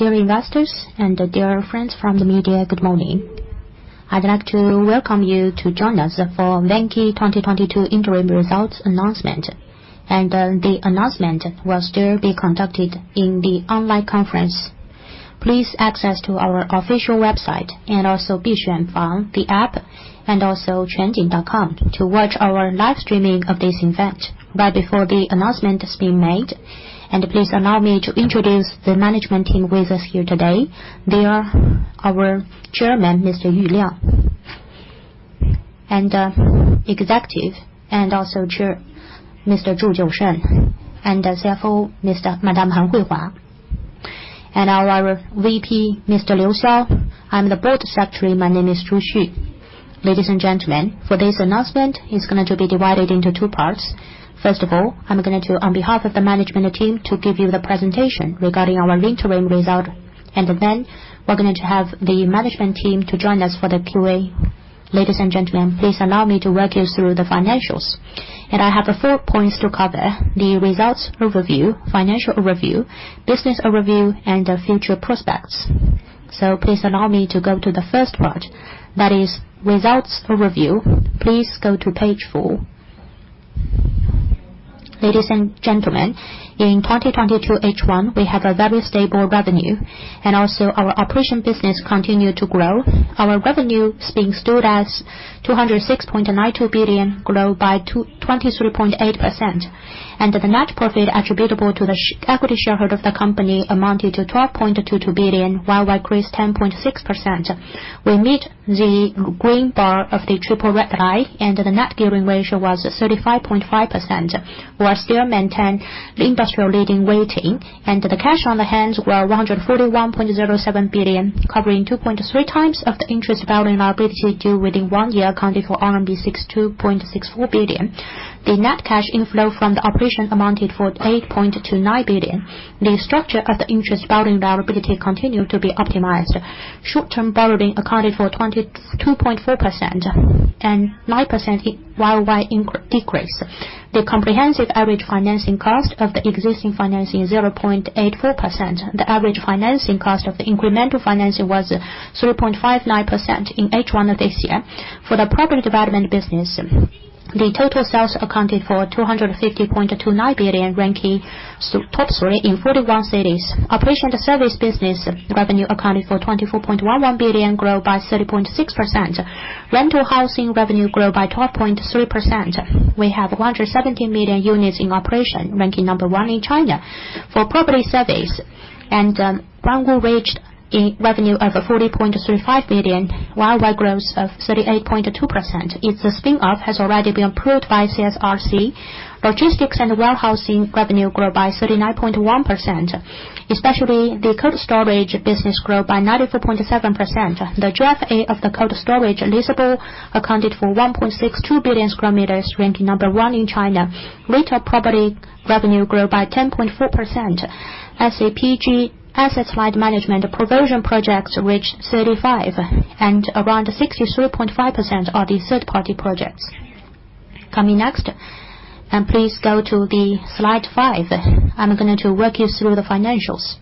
Dear investors and dear friends from the media, good morning. I'd like to welcome you to join us for Vanke 2022 interim results announcement. The announcement will still be conducted in the online conference. Please access our official website and also BXF, the app, and also quanjing.com to watch our live streaming of this event. Before the announcement is being made, please allow me to introduce the management team with us here today. They are our chairman, Mr. Yu Liang. Executive and also chair, Mr. Zhu Jiusheng. CFO, Madam Han Huihua. Our VP, Mr. Liu Xiao. I'm the board secretary. My name is Zhu Xu. Ladies and gentlemen, for this announcement, it's going to be divided into two parts. First of all, I'm going to, on behalf of the management team, to give you the presentation regarding our interim result. Then we're going to have the management team to join us for the QA. Ladies and gentlemen, please allow me to walk you through the financials. I have four points to cover, the results overview, financial overview, business overview, and the future prospects. Please allow me to go to the first part. That is results overview. Please go to Page 4. Ladies and gentlemen, in 2022 H1, we have a very stable revenue. Also our operation business continued to grow. Our revenue stood at 206.92 billion, grew by 23.8%. The net profit attributable to the equity shareholder of the company amounted to 12.22 billion, YOY increase 10.6%. We meet the green bar of the three red lines, and the net gearing ratio was 35.5%. We still maintain the industrial leading weighting, and the cash on hand was 141.07 billion, covering 2.3 times of the interest bearing liability due within one year, accounting for RMB 62.64 billion. The net cash inflow from the operation amounted to 8.29 billion. The structure of the interest bearing liability continued to be optimized. Short-term borrowing accounted for 22.4% and 9% YOY decrease. The comprehensive average financing cost of the existing financing is 0.84%. The average financing cost of the incremental financing was 3.59% in H1 of this year. For the property development business, the total sales accounted for 250.29 billion, ranking top three in 41 cities. Operation service business revenue accounted for 24.11 billion, grew by 30.6%. Rental housing revenue grew by 12.3%. We have 170 million units in operation, ranking number one in China. For property service, and Onewo reached a revenue of 40.35 billion, YOY growth of 38.2%. Its spin-off has already been approved by CSRC. Logistics and warehousing revenue grew by 39.1%, especially the cold storage business grew by 94.7%. The GFA of the cold storage leasable accounted for 1.62 billion square meters, ranking number one in China. Retail property revenue grew by 10.4%. SCPG, asset-light management provision projects, reached 35, and around 63.5% are the third-party projects. Coming next. Please go to Slide 5. I'm going to walk you through the financials.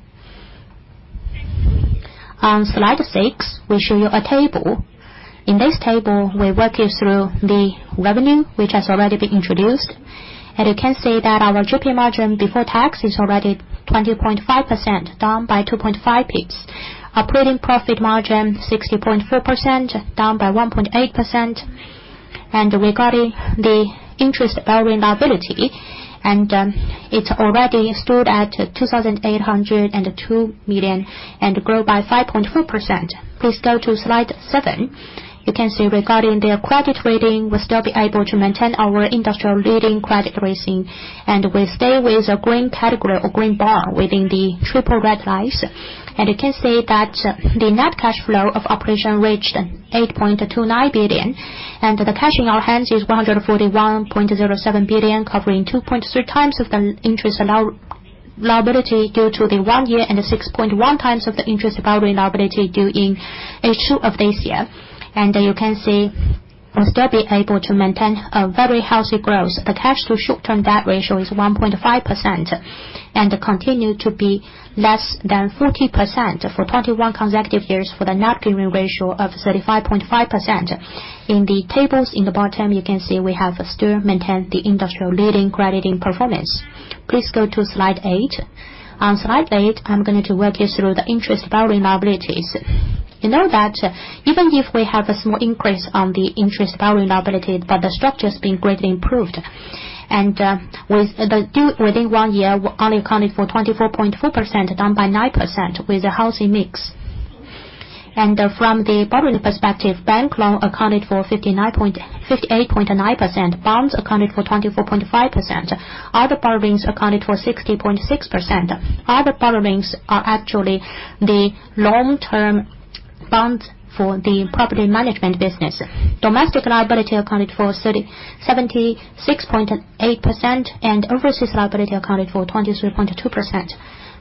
On Slide 6, we show you a table. In this table, we walk you through the revenue, which has already been introduced. You can see that our GP margin before tax is already 20.5%, down by 2.5 pips. Operating profit margin 60.4%, down by 1.8%. Regarding the interest bearing liability, it already stood at 2,802 million and grew by 5.4%. Please go to Slide 7. You can see regarding their credit rating, we'll still be able to maintain our industry-leading credit rating. We stay with a green category or green bar within the three red lines. You can see that the net cash flow of operation reached 8.29 billion. The cash in our hands is 141.07 billion, covering 2.3 times of the interest-bearing liability due within one year and 6.1 times of the interest-bearing liability due in H2 of this year. You can see we'll still be able to maintain a very healthy growth. The short-term debt ratio is 1.5% and continues to be less than 40% for 21 consecutive years for the net gearing ratio of 35.5%. In the tables at the bottom, you can see we have still maintained the industry-leading credit rating performance. Please go to Slide 8. On Slide 8, I'm going to walk you through the interest-bearing liabilities. You know that even if we have a small increase on the interest-bearing liability, but the structure's been greatly improved. With the due within one year only accounted for 24.4%, down by 9% with a healthy mix. From the borrowing perspective, bank loan accounted for 58.9%. Bonds accounted for 24.5%. Other borrowings accounted for 16.6%. Other borrowings are actually the long-term bonds for the property management business. Domestic liability accounted for 76.8%, and overseas liability accounted for 23.2%.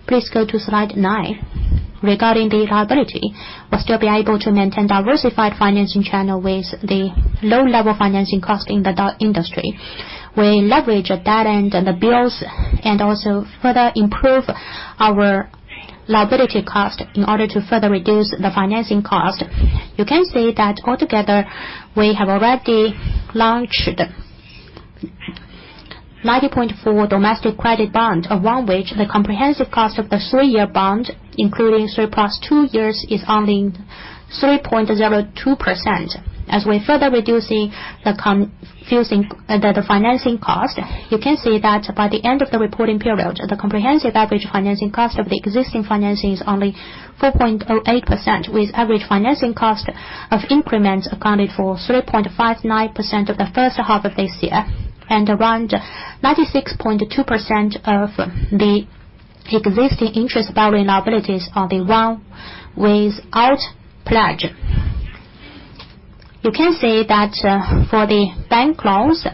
Please go to Slide 9. Regarding the liability, we'll still be able to maintain diversified financing channel with the low-level financing cost in the industry. We leverage debt and the bills and also further improve our liability cost in order to further reduce the financing cost. You can see that altogether we have already launched 90.4 domestic credit bond, of which the comprehensive cost of the three-year bond, including three + two years, is only 3.02%. As we're further reducing the financing cost, you can see that by the end of the reporting period, the comprehensive average financing cost of the existing financing is only 4.08%, with average financing cost of increments accounted for 3.59% of the first half of this year, and around 96.2% of the existing interest-bearing liabilities on the loan without pledge. You can see that, for the bank loans,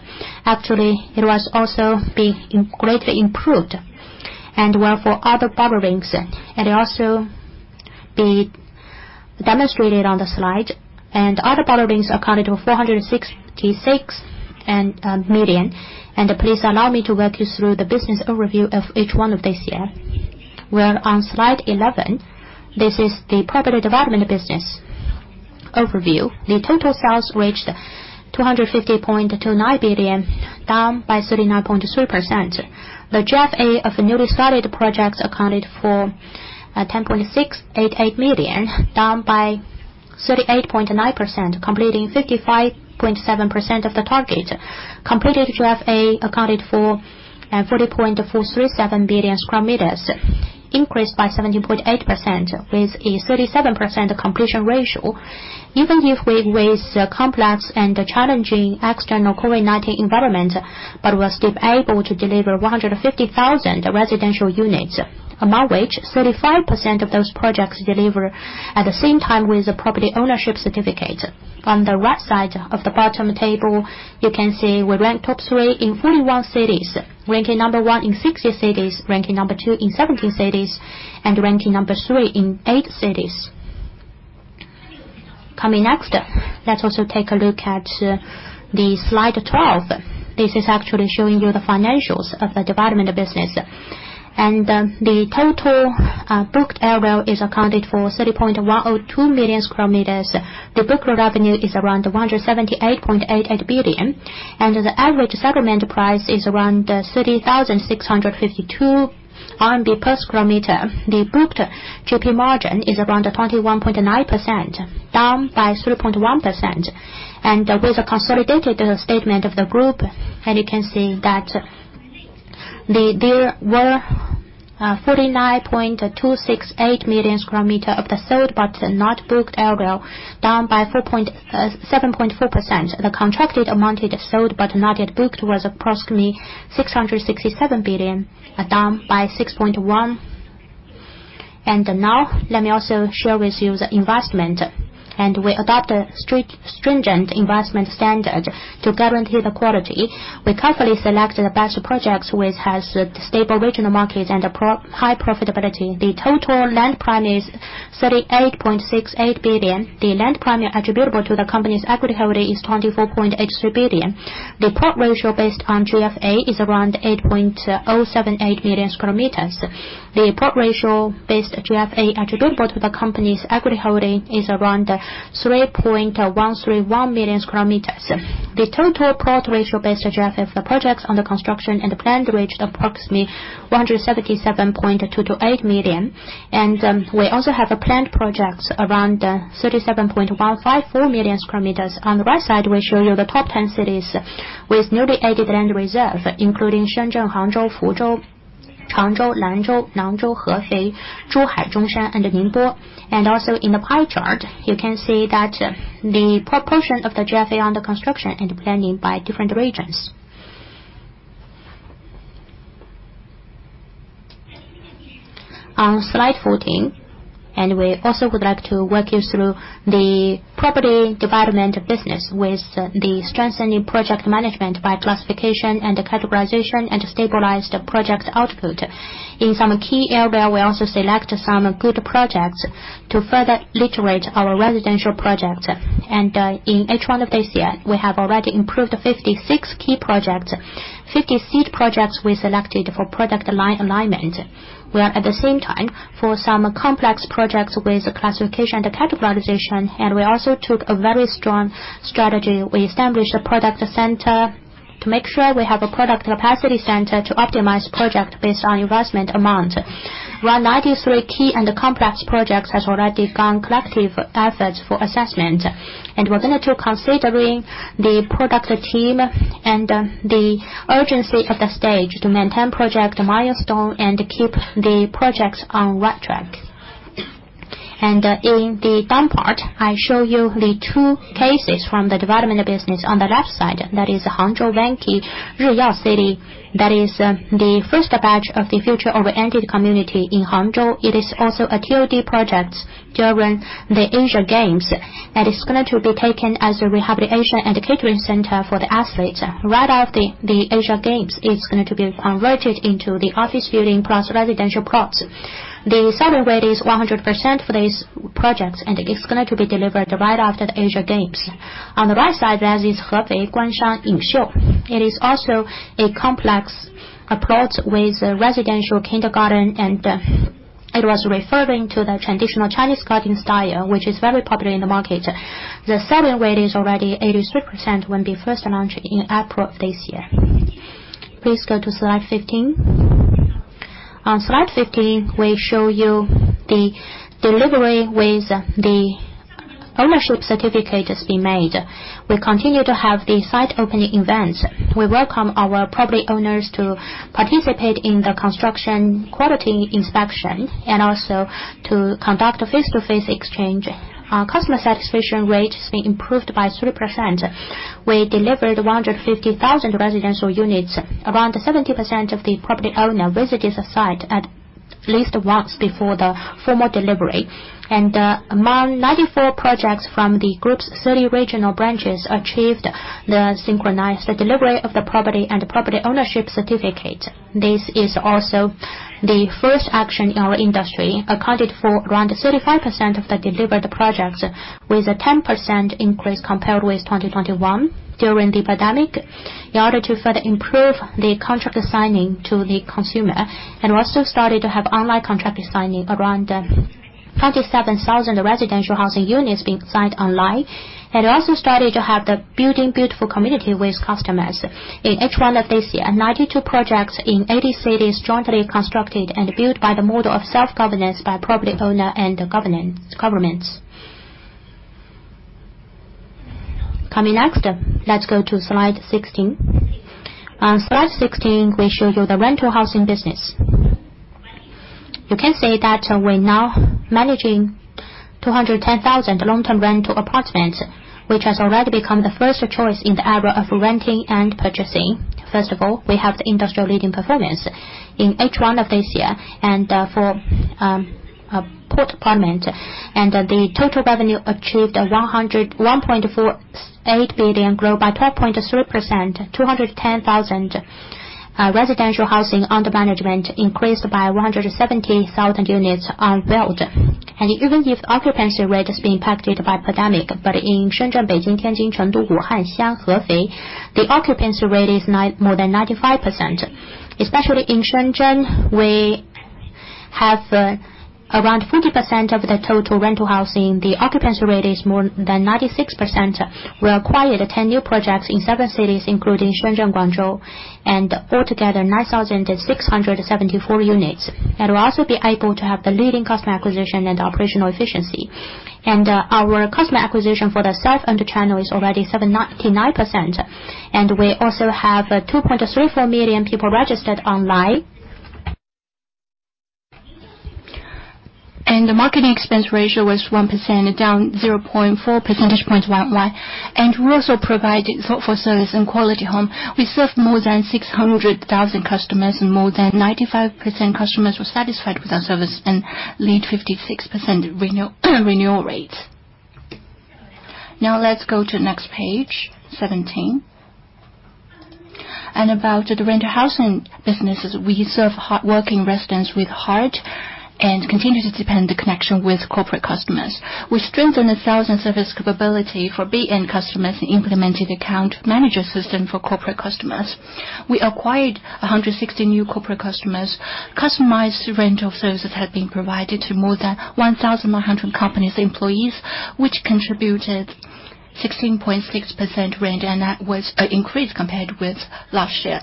actually it was also being greatly improved. Well, for other borrowings, it also be demonstrated on the slide. Other borrowings accounted to 466 million. Please allow me to walk you through the business overview of H1 of this year. We're on Slide 11. This is the property development business overview. The total sales reached 250.29 billion, down by 39.3%. The GFA of the newly started projects accounted for 10.688 million, down by 38.9%, completing 55.7% of the target. Completed GFA accounted for 40.437 million square meters, increased by 17.8%, with a 37% completion ratio. Even if we face a complex and challenging external COVID-19 environment, but we're still able to deliver 150,000 residential units. Among which 35% of those projects deliver at the same time with a property ownership certificate. On the right side of the bottom table, you can see we rank top three in 41 cities, ranking 1 in 60 cities, ranking 2 in 17 cities, and ranking 3 in eight cities. Coming next, let's also take a look at the Slide 12. This is actually showing you the financials of the development business. The total booked area is accounted for 30.102 million sq m. The booked revenue is around 178.88 billion. The average settlement price is around 30,652 RMB per sq m. The booked GP margin is around 21.9%, down by 3.1%. With the consolidated statement of the group, you can see that there were 49.268 million sq m of the sold but not booked area, down by 4.74%. The contracted amount sold but not yet booked was approximately 667 billion, down by 6.1%. Now, let me also share with you the investment. We adopt a strict, stringent investment standard to guarantee the quality. We carefully select the best projects which has stable regional markets and high profitability. The total land premium is 38.68 billion. The land premium attributable to the company's equity holding is 24.83 billion. The plot ratio based on GFA is around 8.078 million sq m. The plot ratio based GFA attributable to the company's equity holding is around 3.131 million square meters. The total plot ratio based GFA of the projects under construction and planned reached approximately 177.228 million. We also have planned projects around 37.154 million square meters. On the right side, we show you the top 10 cities with newly added land reserve, including Shenzhen, Hangzhou, Fuzhou, Changzhou, Lanzhou, Nantong, Hefei, Zhuhai, Zhongshan, and Ningbo. Also in the pie chart, you can see that the proportion of the GFA under construction and planning by different regions. On Slide 14, we also would like to walk you through the property development business with the strengthening project management by classification and categorization, and stabilized project output. In some key area, we also select some good projects to further iterate our residential projects. In H1 of this year, we have already improved 56 key projects. 50 seed projects we selected for product line alignment, where at the same time, for some complex projects with classification and categorization, and we also took a very strong strategy. We established a product center to make sure we have a product capacity center to optimize project based on investment amount. 193 key and complex projects has already undergone collective efforts for assessment, and we're going to consider the product team and the urgency of the stage to maintain project milestone and keep the projects on right track. In the bottom part, I show you the two cases from the development business. On the left side, that is Hangzhou Vanke Riyao City. That is the first batch of the future-oriented community in Hangzhou. It is also a TOD project during the Asian Games. It is going to be taken as a rehabilitation and catering center for the athletes. Right after the Asian Games, it's going to be converted into the office building plus residential plots. The settlement rate is 100% for this project, and it's going to be delivered right after the Asian Games. On the right side, that is Hefei Guanshan Yinxiu. It is also a complex approach with a residential kindergarten and it was referring to the traditional Chinese garden style, which is very popular in the market. The selling rate is already 83% when we first launched in April of this year. Please go to Slide 15. On Slide 15, we show you the delivery with the ownership certificate has been made. We continue to have the site opening events. We welcome our property owners to participate in the construction quality inspection and also to conduct a face-to-face exchange. Our customer satisfaction rate has been improved by 3%. We delivered 150,000 residential units. Around 70% of the property owner visited the site at least once before the formal delivery. Among 94 projects from the group's 30 regional branches achieved the synchronized delivery of the property and the property ownership certificate. This is also the first action in our industry, accounted for around 35% of the delivered projects with a 10% increase compared with 2021 during the pandemic. In order to further improve the contract assigning to the consumer, we also started to have online contract assigning. Around 27,000 residential housing units being signed online. It also started to have the building beautiful community with customers. In H1 of this year, 92 projects in 80 cities jointly constructed and built by the mode of self-governance by property owner and the governments. Let's go to Slide 16. On Slide 16, we show you the rental housing business. You can see that we're now managing 210,000 long-term rental apartments, which has already become the first choice in the era of renting and purchasing. First of all, we have the industry-leading performance in H1 of this year and for Port Apartment. The total revenue achieved 1.48 billion, grow by 12.3%. 210,000 residential housing under management increased by 170,000 units on build. Even if occupancy rate has been impacted by pandemic, but in Shenzhen, Beijing, Tianjin, Chengdu, Wuhan, Xi'an, Hefei, the occupancy rate is more than 95%. Especially in Shenzhen, we have around 40% of the total rental housing, the occupancy rate is more than 96%. We acquired 10 new projects in 7 cities, including Shenzhen, Guangzhou, and altogether 9,674 units. It will also be able to have the leading customer acquisition and operational efficiency. Our customer acquisition for the self-owned channel is already 79.9%. We also have 2.34 million people registered online. The marketing expense ratio was 1%, down 0.4 percentage points year-on-year. We also provide full service and quality home. We serve more than 600,000 customers, and more than 95% customers were satisfied with our service and led 56% renewal rates. Now let's go to Page 17. About the rental housing businesses. We serve hard-working residents with heart and continue to deepen the connection with corporate customers. We strengthen the thousand service capability for B-end customers and implemented account manager system for corporate customers. We acquired 160 new corporate customers. Customized rental services have been provided to more than 1,100 companies' employees, which contributed 16.6% rent, and that was an increase compared with last year.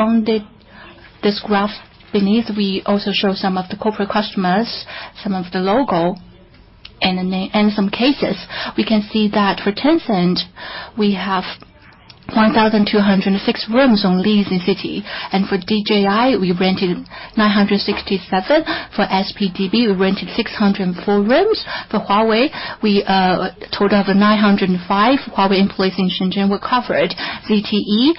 On this graph beneath, we also show some of the corporate customers, some of the logos and names and some cases. We can see that for Tencent, we have 1,206 rooms on leasing city. For DJI, we rented 967. For SPDB, we rented 604 rooms. For Huawei, we total of 905 Huawei employees in Shenzhen were covered. ZTE,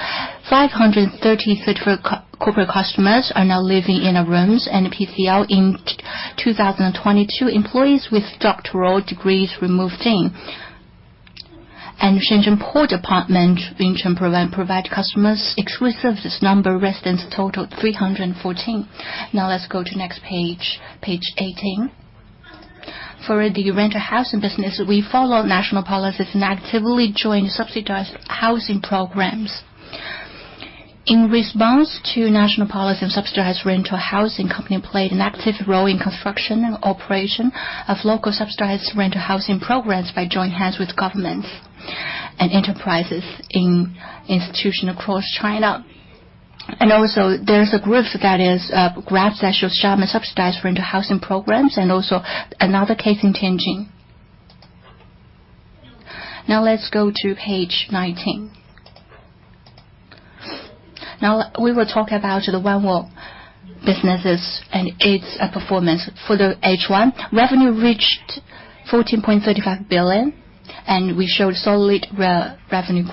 533 corporate customers are now living in our rooms. PCL in 2022, employees with doctoral degrees were moved in. Shenzhen Port Department, Yongchun program provide customers extra services. Number of residents totaled 314. Now let's go to next Page 18. For the rental housing business, we follow national policies and actively join subsidized housing programs. In response to national policy on subsidized rental housing, company played an active role in construction and operation of local subsidized rental housing programs by joining hands with governments and enterprises in institutions across China. There's a graph that shows China subsidized rental housing programs and also another case in Tianjin. Now let's go to Page 19. Now we will talk about the Onewo businesses and its performance. For the H1, revenue reached 14.35 billion, and we showed solid revenue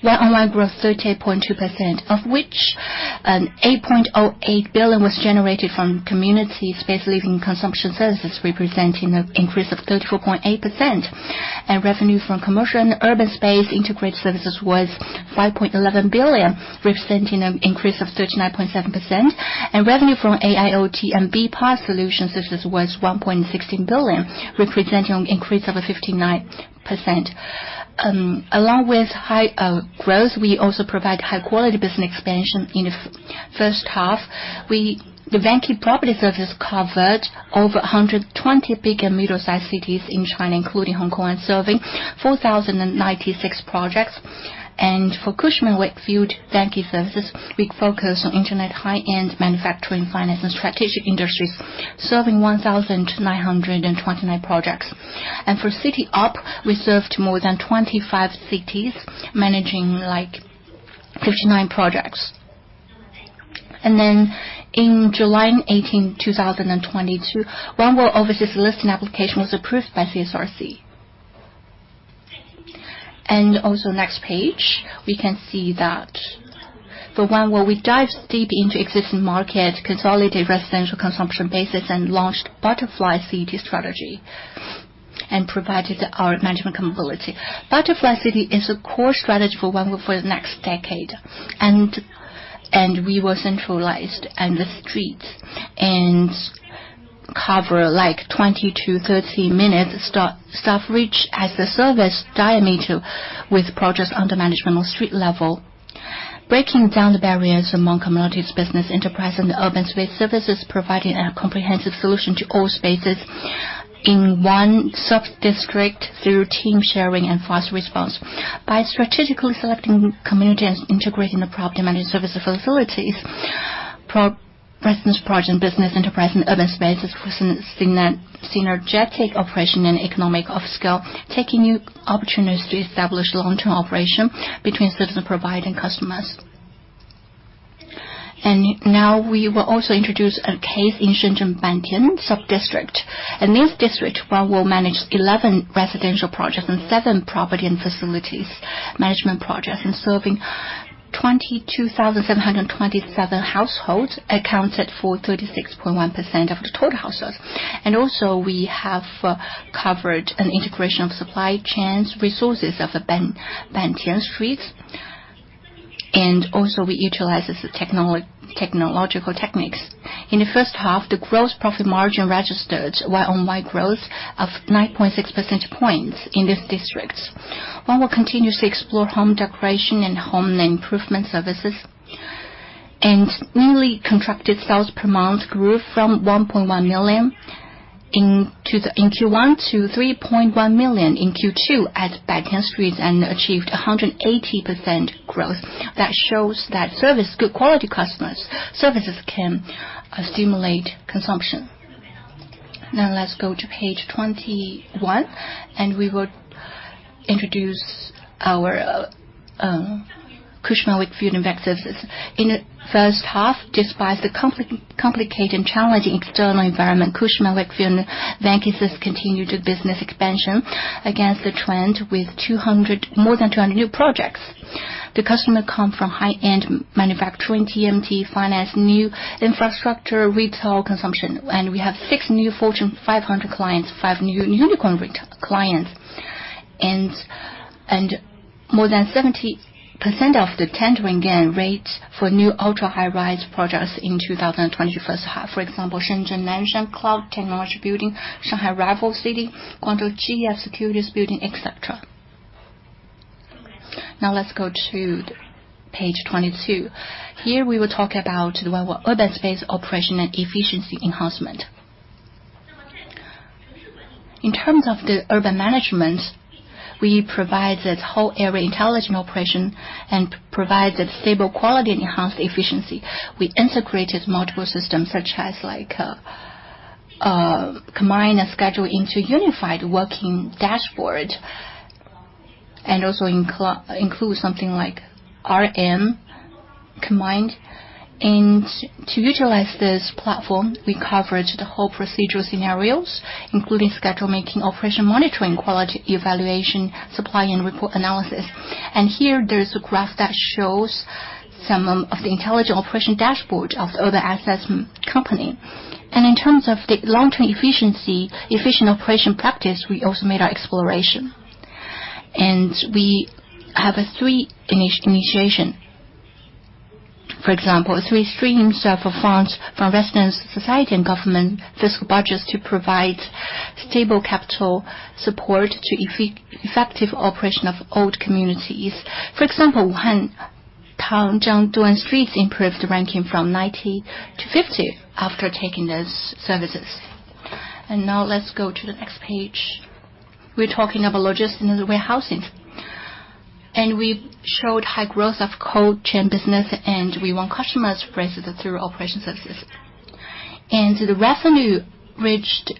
growth. Year-on-year grew 38.2%, of which, 8.08 billion was generated from community space living consumption services, representing an increase of 34.8%. Revenue from commercial and urban space integrated services was 5.11 billion, representing an increase of 39.7%. Revenue from AIOT and BPaaS solution services was 1.16 billion, representing an increase of 59%. Along with high growth, we also provide high quality business expansion. In the first half, The Vanke property service covered over 120 big and middle-sized cities in China, including Hong Kong, serving 4,096 projects. For Cushman & Wakefield Vanke services, we focus on internet, high-end manufacturing, finance, and strategic industries, serving 1,929 projects. For CityUp, we served more than 25 cities, managing like 59 projects. Then in July 18, 2022, Onewo overseas listing application was approved by CSRC. Next page, we can see that for Onewo, we dived deep into existing markets, consolidated residential consumption basis, and launched Butterfly City strategy, and provided our management capability. Butterfly City is a core strategy for Onewo for the next decade. We were centralized in the streets and cover like 20-30 minutes stop reach as a service diameter with projects under management on street level. Breaking down the barriers among communities, business, enterprise, and urban space services, providing a comprehensive solution to all spaces in one sub-district through team sharing and fast response. By strategically selecting communities, integrating the property management service facilities, pro-residents project business, enterprise, and urban spaces synergetic operation and economies of scale, taking new opportunities to establish long-term operation between citizen providers and customers. We will also introduce a case in Shenzhen, Bantian sub-district. In this district, Onewo will manage 11 residential projects and 7 property and facilities management projects, and serving 22,727 households, accounted for 36.1% of the total households. We have covered an integration of supply chains, resources of the Bantian streets, and also we utilize this technological techniques. In the first half, the gross profit margin registered a year-on-year growth of 9.6 percentage points in this district. Onewo will continuously explore home decoration and home improvement services. Newly contracted sales per month grew from 1.1 million in Q1 to 3.1 million in Q2 at Bantian streets and achieved 180% growth. That shows that serving good quality customers, services can stimulate consumption. Now let's go to Page 21, and we would introduce our Cushman & Wakefield Vanke Service. In the first half, despite the complicated and challenging external environment, Cushman & Wakefield Vanke Service continued business expansion against the trend with more than 200 new projects. The customers come from high-end manufacturing, TMT, finance, new infrastructure, retail consumption, and we have 6 new Fortune 500 clients, 5 new unicorn clients. More than 70% of the tendering gain rates for new ultra-high rise projects in 2021 first half. For example, Shenzhen Nanshan Cloud Technology Building, Shanghai Riviera City, Guangdong GF Securities building, etc. Now let's go to Page 22. Here we will talk about our urban space operation and efficiency enhancement. In terms of the urban management, we provide the whole area intelligent operation and provide the stable quality and enhanced efficiency. We integrated multiple systems such as combine and schedule into unified working dashboard, and also include something like RM combined. To utilize this platform, we covered the whole procedural scenarios, including schedule making, operation monitoring, quality evaluation, supply and report analysis. Here, there's a graph that shows some of the intelligent operation dashboard of the other assets company. In terms of the long-term efficiency, efficient operation practice, we also made our exploration. We have a three initiative. For example, three streams of funds from residents, society, and government fiscal budgets to provide stable capital support to effective operation of old communities. For example, Wuhan Jiang'an District improved the ranking from 90 to 50 after taking these services. Now let's go to the next page. We're talking about logistics and warehousing. We showed high growth of cold chain business, and we won customers' praises through operation services. The revenue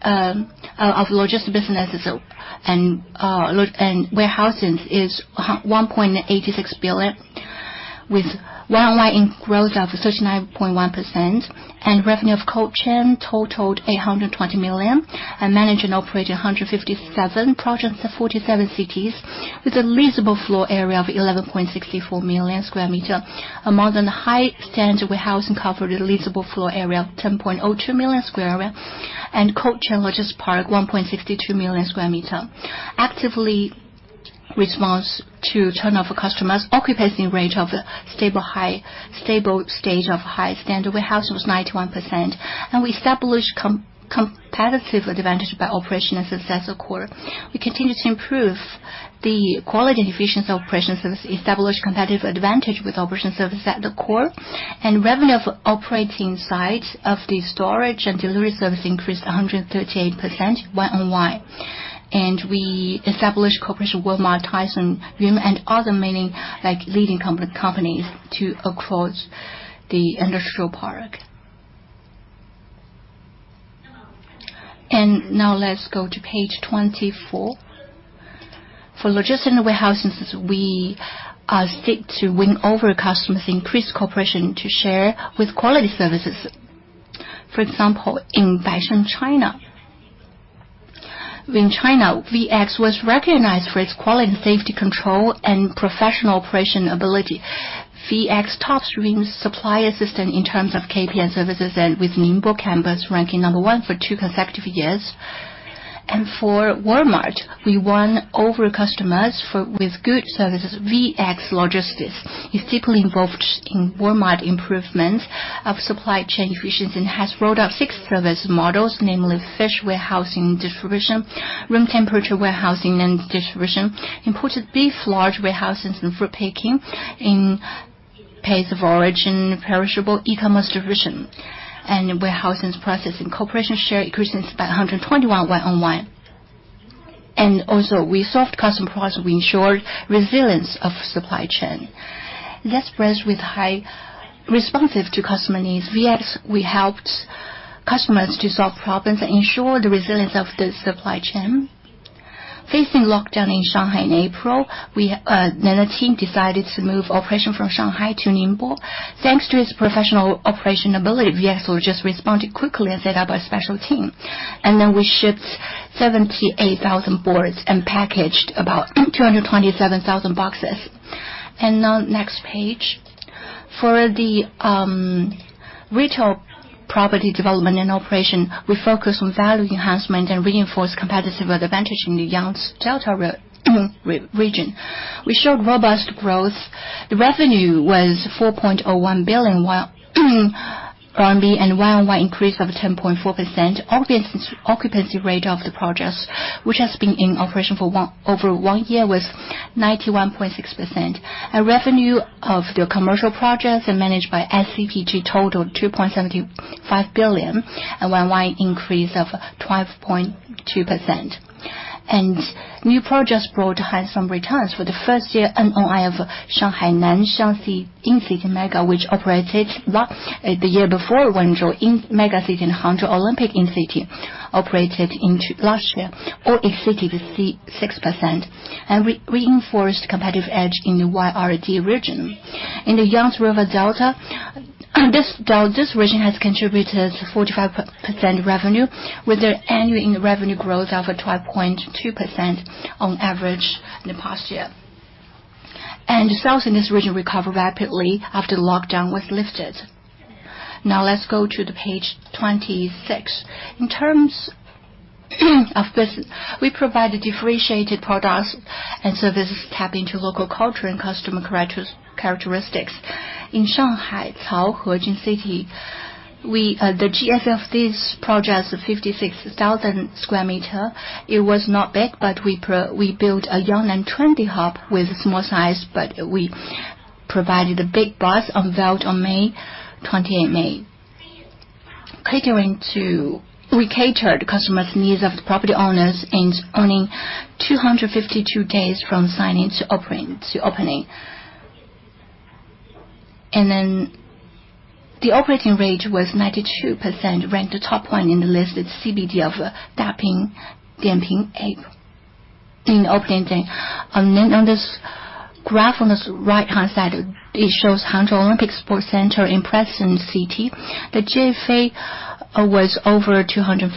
of logistics businesses and warehousing reached 1.86 billion, with year-on-year growth of 39.1%, and revenue of cold chain totaled 820 million, and manage and operate 157 projects in 47 cities with a leasable floor area of 11.64 million sq m. Among them, high standard warehousing covered a leasable floor area of 10.02 million sq m, and cold chain logistics park 1.62 million sq m. Actively response to churn of customers, occupancy rate of stable state of high standard warehouse was 91%, and we established competitive advantage by operation and success of core. We continue to improve the quality and efficiency of operation service, established competitive advantage with operation service at the core, and revenue for operating sites of the storage and delivery service increased 138% year-on-year. We established cooperation with Walmart, Tyson, Meituan, and many other, like, leading companies across the industrial park. Now let's go to Page 24. For logistics and warehouses, we seek to win over customers, increase cooperation to share with quality services. For example, in Baoshan, China. In China, VX was recognized for its quality and safety control and professional operation ability. VX tops Ring's supplier system in terms of KPI services and with Ningbo campus ranking number one for two consecutive years. For Walmart, we won over customers with good services. VX Logistics is deeply involved in Walmart improvements of supply chain efficiency and has rolled out six service models, namely fresh warehousing distribution, room temperature warehousing and distribution, imported beef, large warehouses, and fruit picking in place of origin, perishable e-commerce distribution, and warehousing processing. Cooperation share increases about 121% YoY. We also solved customs problems, we ensured resilience of supply chain. This branch with high responsive to customer needs. VX, we helped customers to solve problems and ensure the resilience of the supply chain. Facing lockdown in Shanghai in April, we then the team decided to move operation from Shanghai to Ningbo. Thanks to its professional operation ability, VX Logistics responded quickly and set up a special team. We shipped 78,000 boards and packaged about 227,000 boxes. Now next page. For the retail property development and operation, we focus on value enhancement and reinforce competitive advantage in the Yangtze River Delta region. We showed robust growth. The revenue was 4.01 billion and Y on Y increase of 10.4%. Occupancy rate of the projects, which has been in operation for over one year, was 91.6%. Revenue of the commercial projects managed by SCPG totaled 2.75 billion and Y on Y increase of 12.2%. New projects brought handsome returns for the first year NOI of Shanghai Nanxiang InCity MEGA, which operated the year before Wenzhou InCity MEGA and Hangzhou Olympic INCITY operated in the last year, all exceeded 6%. Reinforced competitive edge in the YRD region. In the Yangtze River Delta. This region has contributed 45% revenue with an annual revenue growth of 12.2% on average in the past year. Sales in this region recovered rapidly after the lockdown was lifted. Now let's go to Page 26. In terms of this, we provide differentiated products, and so this is tap into local culture and customer characteristics. In Shanghai, Caohejing InCity, the GFA of this project is 56,000 square meters. It was not big, but we built a young and trendy hub with small size, but we provided a big buzz unveiled on May 20. We catered customers' needs of the property owners in opening 252 days from signing to operating, to opening. The operating rate was 92%, ranked top one in the listed CBD of Dianping on opening day. On this graph on the right-hand side, it shows Hangzhou Olympic Sports Center Impression City. The GFA was over 240,000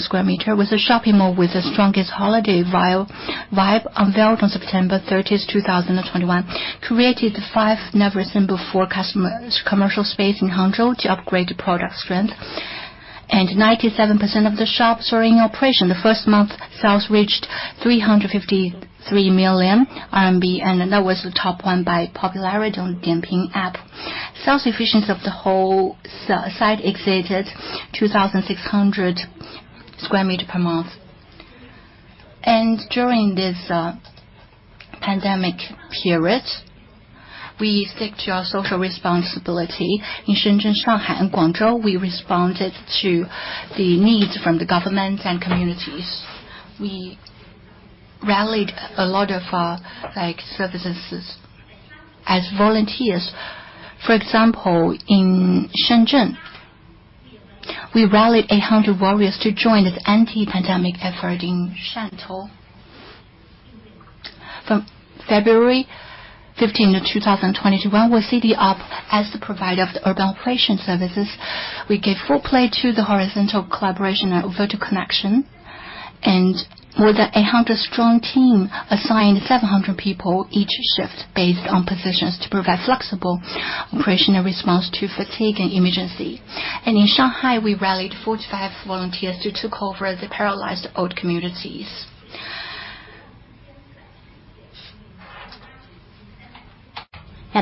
sq m, was a shopping mall with the strongest holiday vibe unveiled on September thirtieth, 2021. Created five never seen before customers commercial space in Hangzhou to upgrade the product strength. 97% of the shops were in operation. In the first month, sales reached 353 million RMB, and that was the top one by popularity on Dianping app. Sales efficiency of the whole site exceeded 2,600 sq m per month. During this pandemic period, we stick to our social responsibility. In Shenzhen, Shanghai and Guangzhou, we responded to the needs from the governments and communities. We rallied a lot of our, like, services as volunteers. For example, in Shenzhen, we rallied 800 warriors to join this anti-pandemic effort in Shantou. From February 15, 2021, with CDOP as the provider of the urban operation services, we gave full play to the horizontal collaboration and vertical connection. With an 800-strong team, assigned 700 people each shift based on positions to provide flexible operational response to fatigue and emergency. In Shanghai, we rallied 45 volunteers to take over the paralyzed old communities.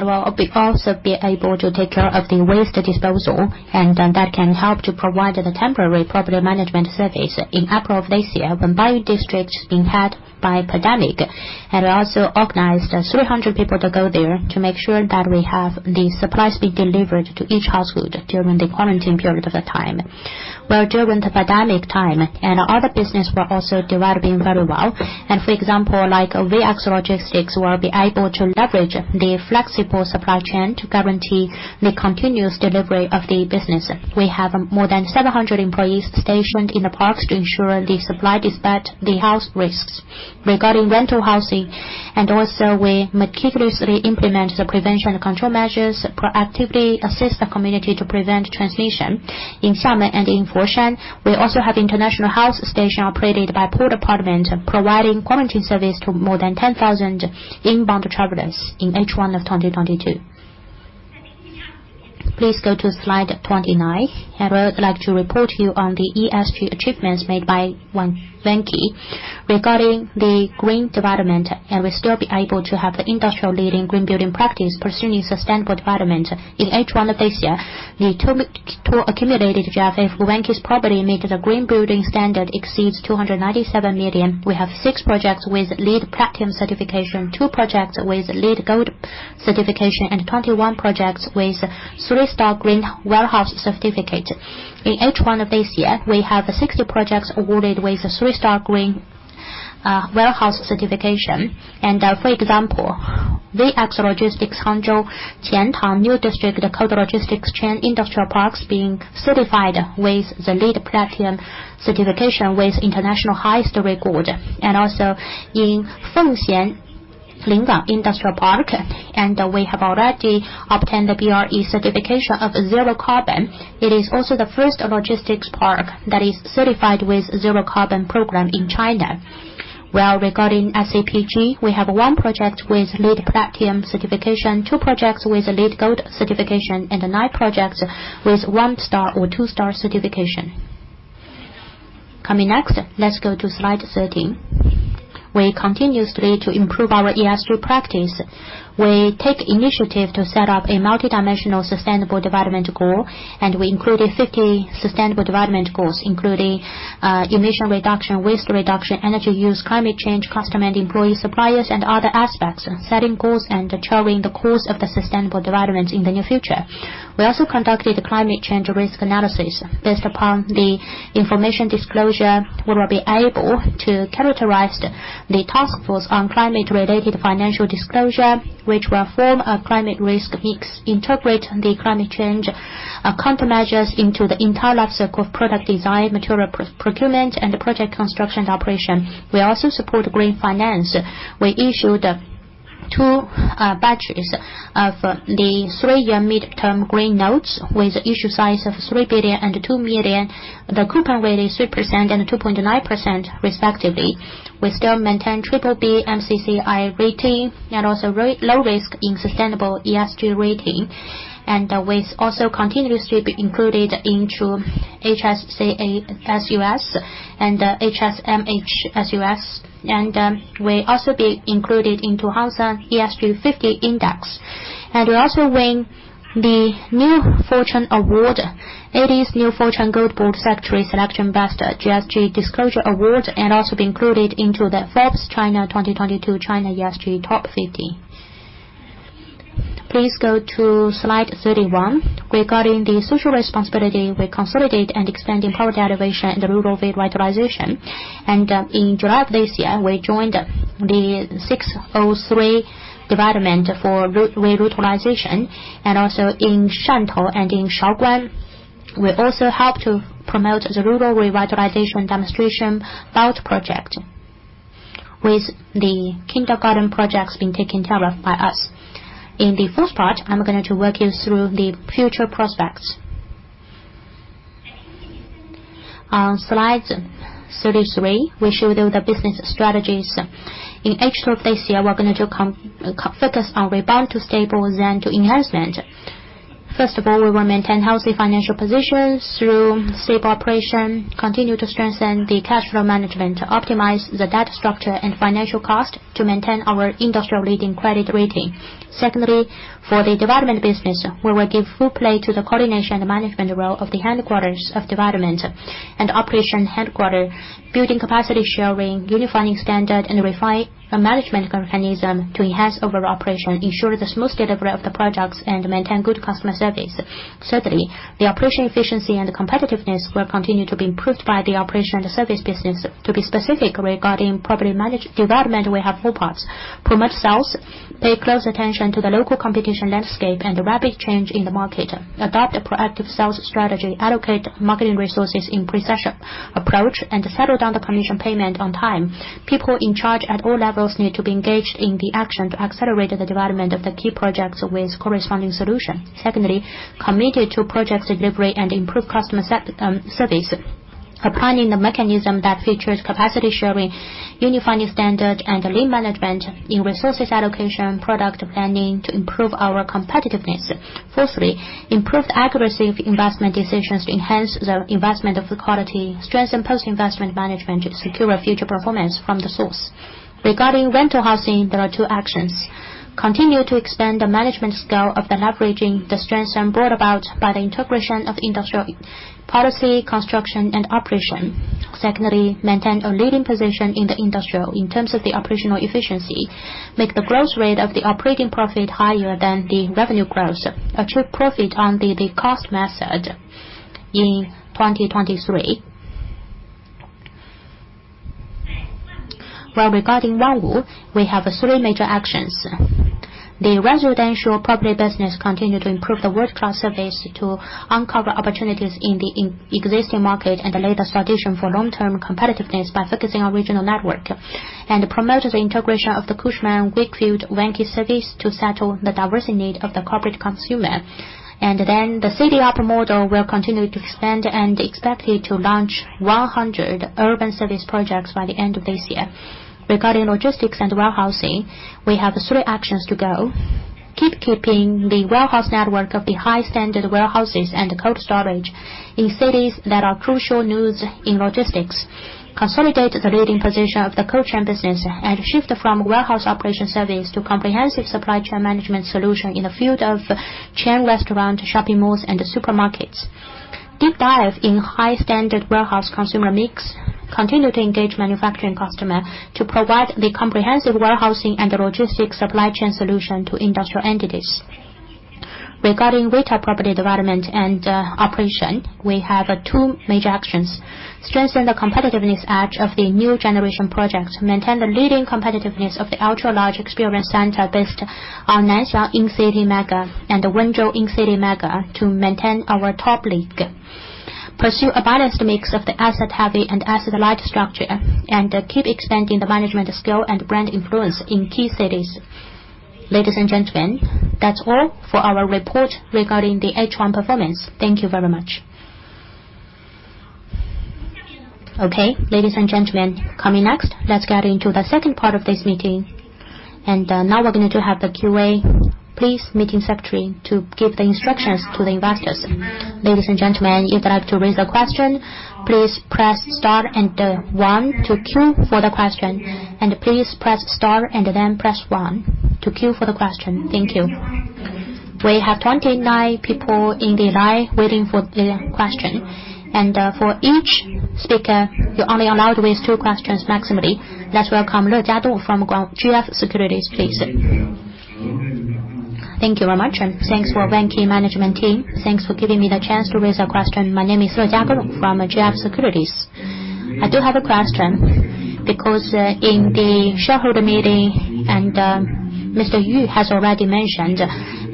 We'll also be able to take care of the waste disposal and then that can help to provide the temporary property management service. In April of this year, when Baiyun District is being hit by pandemic, we also organized 300 people to go there to make sure that we have the supplies being delivered to each household during the quarantine period at the time. Well, during the pandemic time, other businesses were also developing very well. For example, like VX Logistics will be able to leverage the flexible supply chain to guarantee the continuous delivery of the business. We have more than 700 employees stationed in the parks to ensure the supply despite the health risks. Regarding rental housing, we also meticulously implement the prevention control measures, proactively assist the community to prevent transmission. In Xiamen and in Foshan, we also have international health station operated by port department, providing quarantine service to more than 10,000 inbound travelers in H1 of 2022. Please go to Slide 29. I would like to report to you on the ESG achievements made by Vanke. Regarding the green development, we still be able to have the industry-leading green building practice pursuing sustainable development. In H1 of this year, 2022 accumulated GFA of Vanke's property meet the green building standard exceeds 297 million. We have 6 projects with LEED Platinum certification, 2 projects with LEED Gold certification, and 21 projects with three-star green warehouse certificate. In H1 of this year, we have 60 projects awarded with a three-star green warehouse certification. For example, VX Logistics Hangzhou, Qiantang New District, the cold chain logistics industrial parks being certified with the LEED Platinum certification with international highest record. In Fengxian Lingang Industrial Park, we have already obtained the BREEAM certification of zero carbon. It is also the first logistics park that is certified with zero carbon program in China. Well, regarding SCPG, we have one project with LEED Platinum certification, two projects with a LEED Gold certification, and nine projects with one star or two star certification. Coming next. Let's go to Slide 30. We continue to improve our ESG practice. We take initiative to set up a multidimensional sustainable development goal, and we included 50 sustainable development goals, including emission reduction, waste reduction, energy use, climate change, customer and employee suppliers, and other aspects, setting goals and charting the course of the sustainable development in the near future. We also conducted the climate change risk analysis. Based upon the information disclosure, we will be able to characterize the task force on climate related financial disclosure, which will form a climate risk mix, integrate the climate change counter measures into the entire life cycle of product design, material procurement, and project construction and operation. We also support green finance. We issued two batches of the three-year midterm green notes with issue size of 3 billion and 2 million. The coupon rate is 3% and 2.9% respectively. We still maintain BBB MSCI rating and also rated low risk in sustainable ESG rating. We will also continuously be included into HSCASUS and HSMHSUS. We also be included into Hang Seng ESG 50 Index. We also win the New Fortune Award, it is New Fortune Gold Board Secretary Selection Best ESG Disclosure Award, and also be included into the Forbes China 2022 China ESG Top 50. Please go to Slide 31. Regarding the social responsibility, we consolidate and expand the poverty alleviation and the rural revitalization. In July of this year, we joined the 603 development plan for rural revitalization. In Shantou and in Shaoguan, we also help to promote the rural revitalization demonstration pilot project with the kindergarten projects being taken care of by us. In the first part, I'm going to walk you through the future prospects. On Slide 33, we show you the business strategies. In H2 of this year, we're going to co-focus on rebound to stable then to enhancement. First of all, we will maintain healthy financial positions through stable operation, continue to strengthen the cash flow management, optimize the debt structure and financial cost to maintain our industry-leading credit rating. Secondly, for the development business, we will give full play to the coordination and management role of the headquarters of development and operation headquarters, building capacity sharing, unifying standard, and refine our management mechanism to enhance overall operation, ensure the smooth delivery of the projects, and maintain good customer service. Thirdly, the operation efficiency and competitiveness will continue to be improved by the operation and service business. To be specific, regarding property management development, we have four parts. Promote sales, pay close attention to the local competition landscape and the rapid change in the market. Adopt a proactive sales strategy, allocate marketing resources in pre-sale approach and settle down the commission payment on time. People in charge at all levels need to be engaged in the action to accelerate the development of the key projects with corresponding solution. Secondly, committed to project delivery and improve customer service. Applying the mechanism that features capacity sharing, unified standards and lean management in resources allocation, product planning to improve our competitiveness. Fourthly, improve the accuracy of investment decisions to enhance the quality of the investment, strengthen post-investment management to secure future performance from the source. Regarding rental housing, there are two actions. Continue to expand the management scale by leveraging the strengths brought about by the integration of industrial policy, construction and operation. Secondly, maintain a leading position in the industry in terms of the operational efficiency. Make the growth rate of the operating profit higher than the revenue growth. Achieve profit under the cost method in 2023. While regarding Vanke, we have three major actions. The residential property business continue to improve the world-class service to uncover opportunities in the existing market and lay the foundation for long-term competitiveness by focusing on regional network. Promote the integration of the Cushman & Wakefield Vanke Service to meet the diverse needs of the corporate customer. Then the City UP model will continue to expand and expected to launch 100 urban service projects by the end of this year. Regarding logistics and warehousing, we have three actions to go. Keep the warehouse network of the high-standard warehouses and cold storage in cities that are crucial nodes in logistics. Consolidate the leading position of the cold chain business and shift from warehouse operation service to comprehensive supply chain management solution in the field of chain restaurant, shopping malls, and supermarkets. Deep dive in high-standard warehouse consumer mix. Continue to engage manufacturing customer to provide the comprehensive warehousing and logistics supply chain solution to industrial entities. Regarding retail property development and operation, we have two major actions. Strengthen the competitive edge of the new generation projects. Maintain the leading competitiveness of the ultra-large experience center based on Nansha InCity MEGA and the Wenzhou InCity MEGA to maintain our top league. Pursue a balanced mix of the asset-heavy and asset-light structure, and keep expanding the management skill and brand influence in key cities. Ladies and gentlemen, that's all for our report regarding the H1 performance. Thank you very much. Okay. Ladies and gentlemen, coming next, let's get into the second part of this meeting. Now we're going to have the QA. Please, meeting secretary, to give the instructions to the investors. Ladies and gentlemen, if you'd like to raise a question, please press star and one to queue for the question. Please press star and then press one to queue for the question. Thank you. We have 29 people in the line waiting for the question. For each speaker, you're only allowed to raise two questions maximally. Let's welcome Le Jiadu from GF Securities, please. Thank you very much, and thanks for Vanke management team. Thanks for giving me the chance to raise a question. My name is Le Jiadu from GF Securities. I do have a question, because in the shareholder meeting, and Mr. Yu has already mentioned,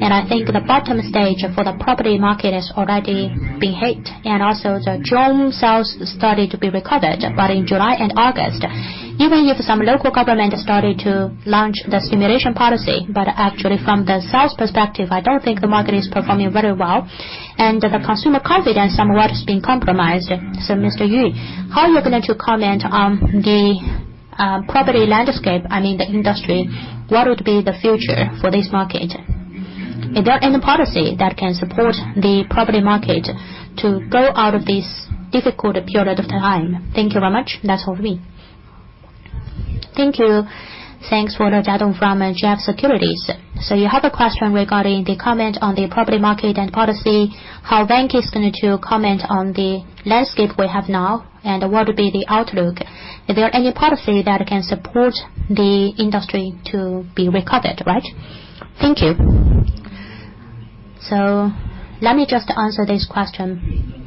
and I think the bottom stage for the property market is already being hit, and also the June sales started to be recovered. In July and August, even if some local government started to launch the stimulus policy, but actually from the sales perspective, I don't think the market is performing very well, and the consumer confidence somewhat is being compromised. Mr. Yu, how are you going to comment on the property landscape, I mean, the industry, what would be the future for this market? Is there any policy that can support the property market to go out of this difficult period of time? Thank you very much. That's all for me. Thank you. Thanks, Le Jiadu from GF Securities. You have a question regarding the comment on the property market and policy, how Vanke is going to comment on the landscape we have now and what will be the outlook. Is there any policy that can support the industry to be recovered, right? Thank you. Let me just answer this question.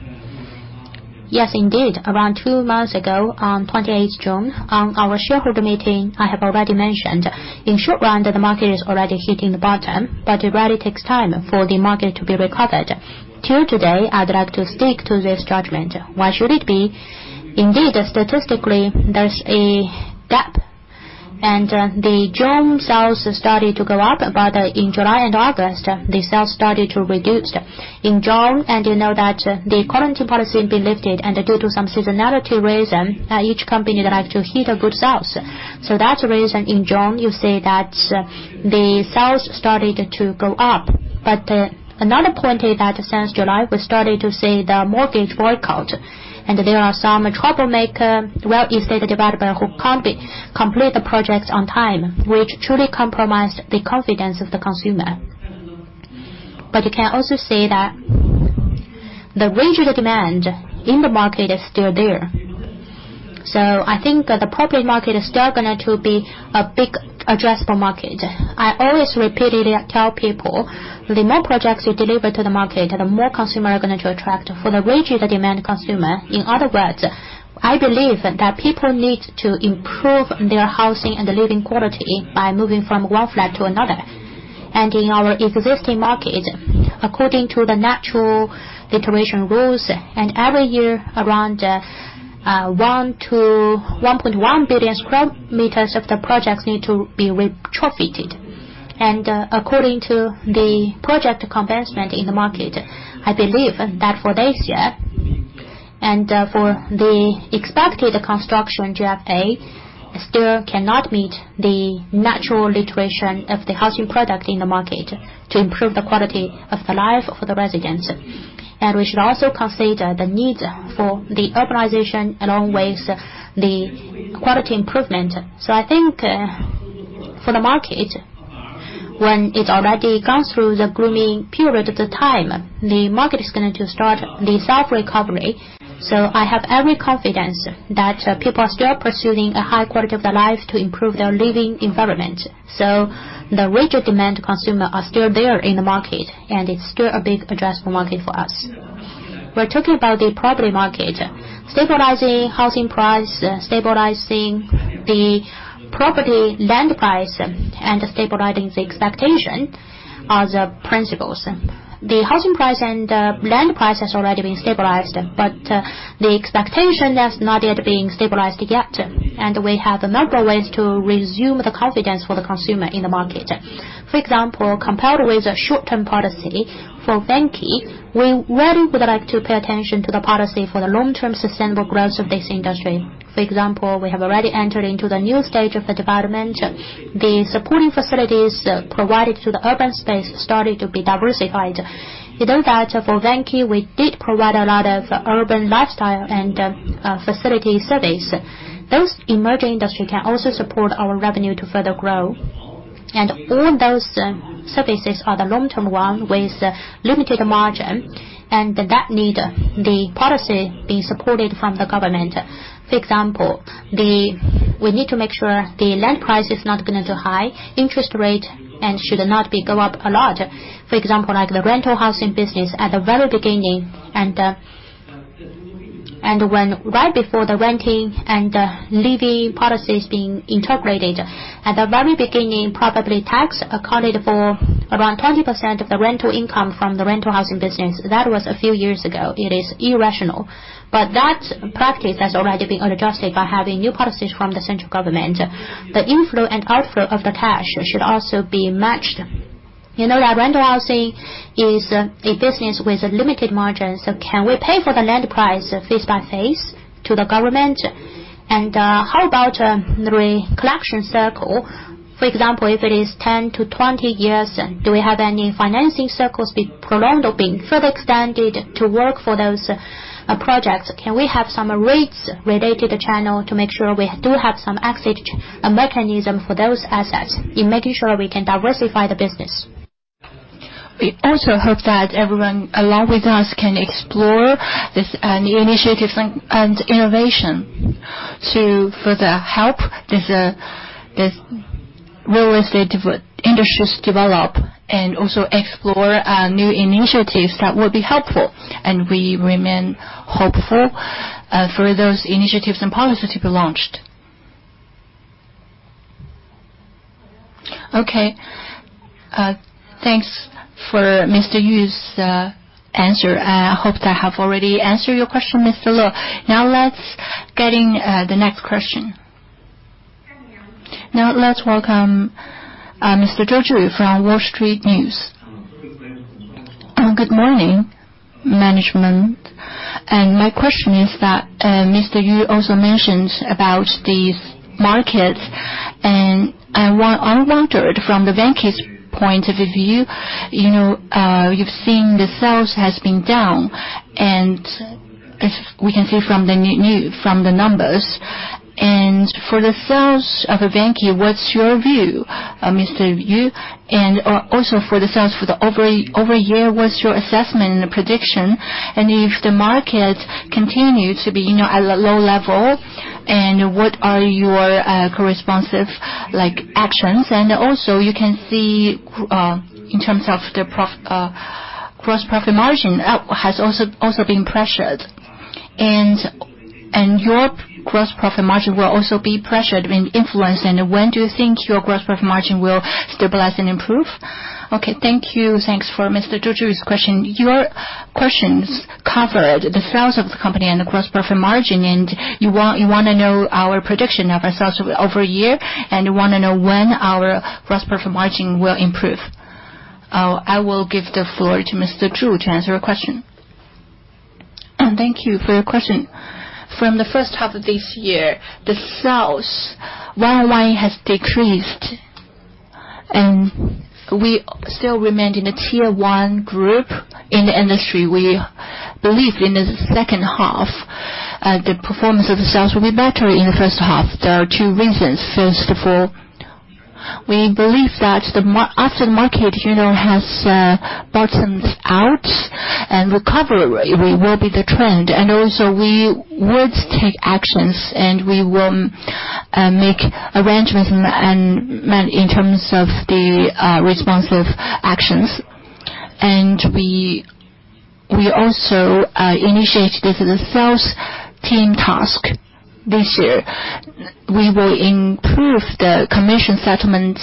Yes, indeed. Around 2 months ago, on 28th June, on our shareholder meeting, I have already mentioned. In short run, the market is already hitting the bottom, but it really takes time for the market to be recovered. Till today, I'd like to stick to this judgment. Why should it be? Indeed, statistically, there's a gap, and the June sales started to go up, but in July and August, the sales started to reduce. In June, you know that the quarantine policy had been lifted, and due to some seasonality reason, each company would like to hit a good sales. That's the reason in June you see that the sales started to go up. Another point is that since July, we started to see the mortgage boycott. There are some troublemaker, real estate developer who can't complete the projects on time, which truly compromised the confidence of the consumer. You can also see that the rigid demand in the market is still there. I think that the property market is still gonna to be a big addressable market. I always repeatedly tell people, the more projects you deliver to the market, the more consumer you're going to attract for the rigid demand consumer. In other words, I believe that people need to improve their housing and living quality by moving from one flat to another. In our existing market, according to the natural iteration rules, every year around 1 to 1.1 billion square meters of the projects need to be retrofitted. According to the project commencement in the market, I believe that for this year, for the expected construction GFA still cannot meet the natural iteration of the housing product in the market to improve the quality of life for the residents. We should also consider the needs for the urbanization along with the quality improvement. I think, for the market. When it's already gone through the gloomy period at the time, the market is going to start the self-recovery. I have every confidence that people are still pursuing a high quality of their life to improve their living environment. The rigid demand consumer are still there in the market, and it's still a big addressable market for us. We're talking about the property market. Stabilizing housing price, stabilizing the property land price, and stabilizing the expectation are the principles. The housing price and land price has already been stabilized, but the expectation has not yet been stabilized yet. We have multiple ways to resume the confidence for the consumer in the market. For example, compared with a short-term policy for Vanke, we really would like to pay attention to the policy for the long-term sustainable growth of this industry. For example, we have already entered into the new stage of the development. The supporting facilities provided to the open space started to be diversified. You know that for Vanke, we did provide a lot of urban lifestyle and facility service. Those emerging industry can also support our revenue to further grow. All those services are the long-term one with limited margin, and that need the policy be supported from the government. For example, we need to make sure the land price is not gonna go high, interest rate, and should not go up a lot. For example, like the rental housing business at the very beginning, and when right before the renting and living policies being integrated. At the very beginning, probably tax accounted for around 20% of the rental income from the rental housing business. That was a few years ago. It is irrational. That practice has already been adjusted by having new policies from the central government. The inflow and outflow of the cash should also be matched. You know that rental housing is a business with limited margins. Can we pay for the land price phase by phase to the government? How about the rent collection cycle? For example, if it is 10-20 years, do we have any financing cycles be prolonged or being further extended to work for those projects? Can we have some rates related to capital to make sure we do have some exit mechanism for those assets in making sure we can diversify the business. We also hope that everyone along with us can explore this new initiatives and innovation to further help this this real estate with industries develop and also explore new initiatives that will be helpful. We remain hopeful for those initiatives and policies to be launched. Okay. Thanks for Mr. Yu's answer. I hope that I have already answered your question, Mr. Lo. Now let's get in the next question. Now, let's welcome Mr. Zhou Yu from Wall Street news. Good morning, management. My question is that Mr. Yu also mentioned about these markets, and I wondered from the Vanke's point of view, you know, you've seen the sales has been down, and as we can see from the numbers. For the sales of Vanke, what's your view, Mr. Yu? Also for the sales over a year, what's your assessment and prediction? If the market continue to be at a low level, what are your corresponding actions? Also, you can see in terms of the gross profit margin has also been pressured. Your gross profit margin will also be pressured and influenced. When do you think your gross profit margin will stabilize and improve? Okay, thank you. Thanks for Mr. Zhou Yu's question. Your questions covered the sales of the company and the gross profit margin, and you want to know our prediction of our sales over a year, and you want to know when our gross profit margin will improve. I will give the floor to Mr. Zhu to answer your question. Thank you for your question. From the first half of this year, the sales year-on-year has decreased, and we still remained in the tier one group in the industry. We believe in the second half, the performance of the sales will be better in the first half. There are two reasons. First of all, we believe that after the market, you know, has bottoms out and recover, it will be the trend. We would take actions, and we will make arrangements in terms of the responsive actions. We also initiate this as a sales team task this year. We will improve the commission settlement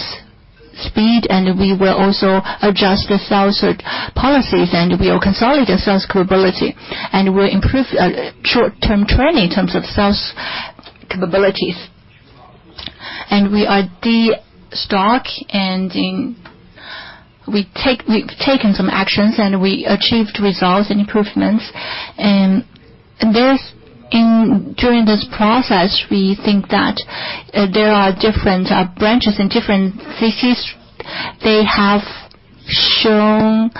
speed, and we will also adjust the sales policies, and we will consolidate sales capability, and we'll improve short-term training in terms of sales capabilities. We are destocking. We've taken some actions, and we achieved results and improvements. During this process, we think that there are different branches and different cities. They have shown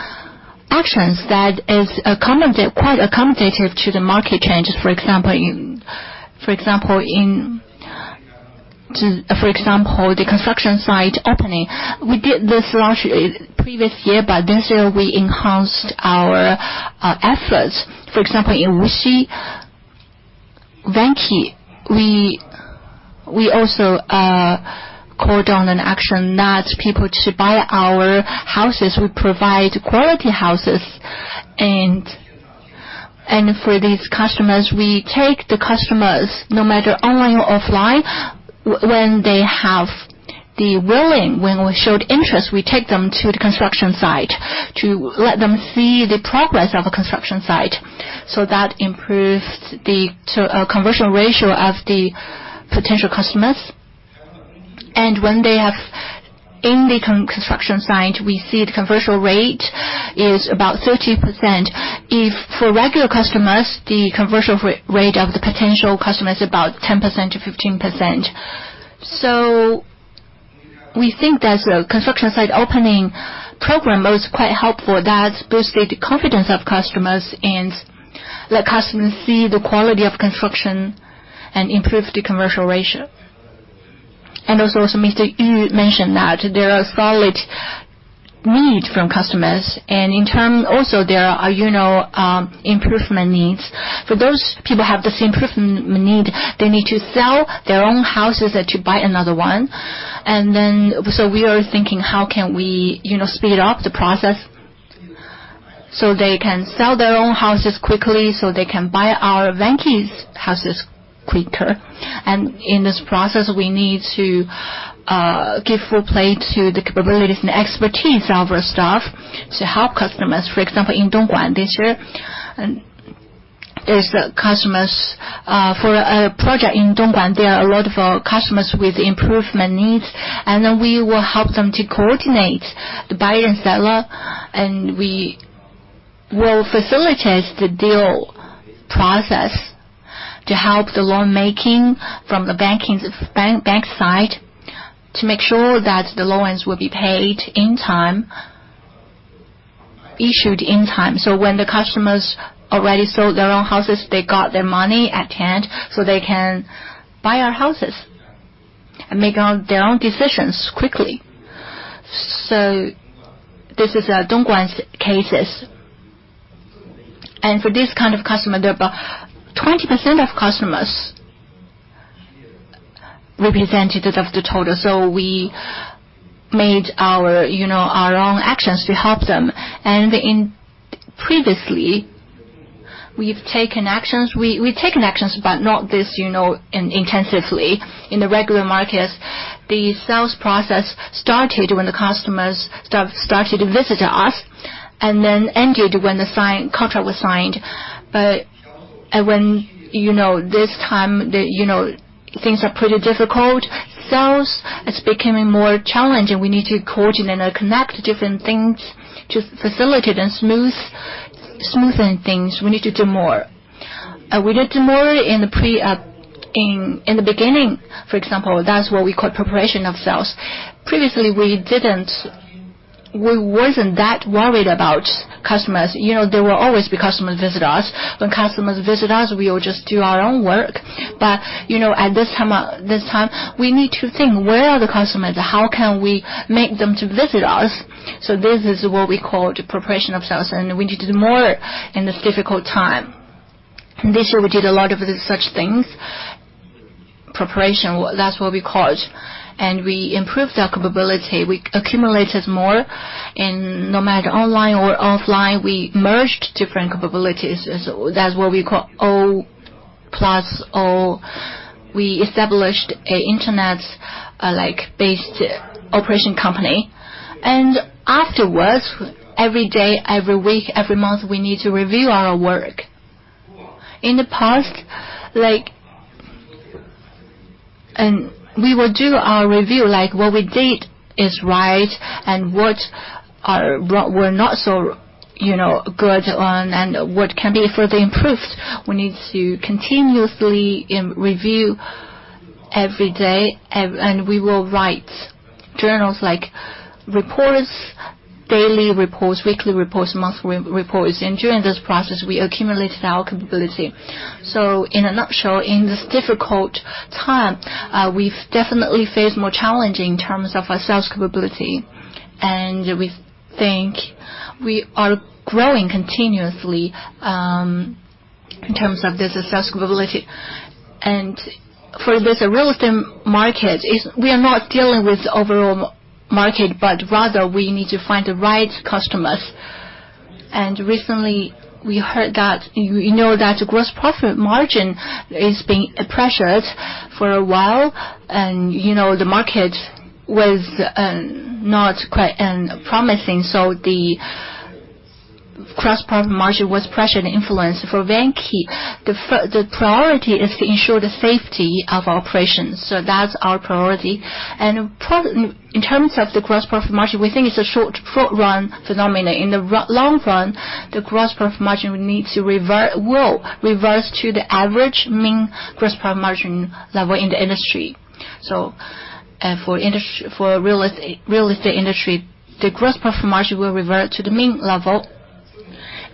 actions that are quite accommodative to the market changes. For example, the construction site opening. We did this launch previous year, but this year we enhanced our efforts. For example, in Wuxi Vanke, we also called on an action that people to buy our houses. We provide quality houses. For these customers, we take the customers no matter online or offline, when they have the willing, when they show interest, we take them to the construction site to let them see the progress of the construction site. So, that improved the conversion ratio of the potential customers. In the construction site, we see the conversion rate is about 30%. If for regular customers, the conversion rate of the potential customer is about 10% to 15%. We think that the construction site opening program was quite helpful. That boosted the confidence of customers and let customers see the quality of construction and improved the conversion ratio. Mr. Yu mentioned that there are solid need from customers. There are, you know, improvement needs. For those people have this improvement need, they need to sell their own houses to buy another one. We are thinking, how can we, you know, speed up the process, so they can sell their own houses quickly, so they can buy our Vanke's houses quicker. In this process, we need to give full play to the capabilities and expertise of our staff to help customers. For example, in Dongguan this year, and there's customers for a project in Dongguan, there are a lot of our customers with improvement needs, and then we will help them to coordinate the buyer and seller, and we will facilitate the deal process to help the loan making from the bank side, to make sure that the loans will be paid in time, issued in time. When the customers already sold their own houses, they got their money at hand, so they can buy our houses and make our, their own decisions quickly. This is Dongguan's cases. For this kind of customer, they're about 20% of customers, representative of the total. We made our, you know, our own actions to help them. Previously, we've taken actions. We've taken actions, but not this, you know, intensively in the regular markets. The sales process started when the customers started to visit us, and then ended when the contract was signed. When, you know, this time, things are pretty difficult. Sales is becoming more challenging. We need to coordinate and connect different things to facilitate and smoothen things. We need to do more. We need to do more in the beginning, for example, that's what we call preparation of sales. Previously, we didn't. We wasn't that worried about customers. You know, there will always be customers visit us. When customers visit us, we will just do our own work. You know, at this time, we need to think, where are the customers? How can we make them to visit us? This is what we call the preparation of sales, and we need to do more in this difficult time. This year, we did a lot of the such things. Preparation, that's what we call it. We improved our capability. We accumulated more in no matter online or offline. We merged different capabilities. That's what we call O+O. We established an internet, like, based operation company. Afterwards, every day, every week, every month, we need to review our work. In the past, like and we would do our review, like, what we did is right and what were not so, you know, good and what can be further improved. We need to continuously review every day and we will write journals, like reports, daily reports, weekly reports, monthly reports. During this process, we accumulated our capability. In a nutshell, in this difficult time, we've definitely faced more challenge in terms of our sales capability. We think we are growing continuously in terms of this sales capability. For this real estate market, we are not dealing with overall market, but rather we need to find the right customers. Recently, we heard that, you know that gross profit margin is being pressured for a while. You know, the market was not quite promising. The gross profit margin was pressured and influenced. For Vanke, the priority is to ensure the safety of operations. That's our priority. In terms of the gross profit margin, we think it's a short-run phenomenon. In the long run, the gross profit margin needs to reverse to the average mean gross profit margin level in the industry. For the real estate industry, the gross profit margin will revert to the mean level.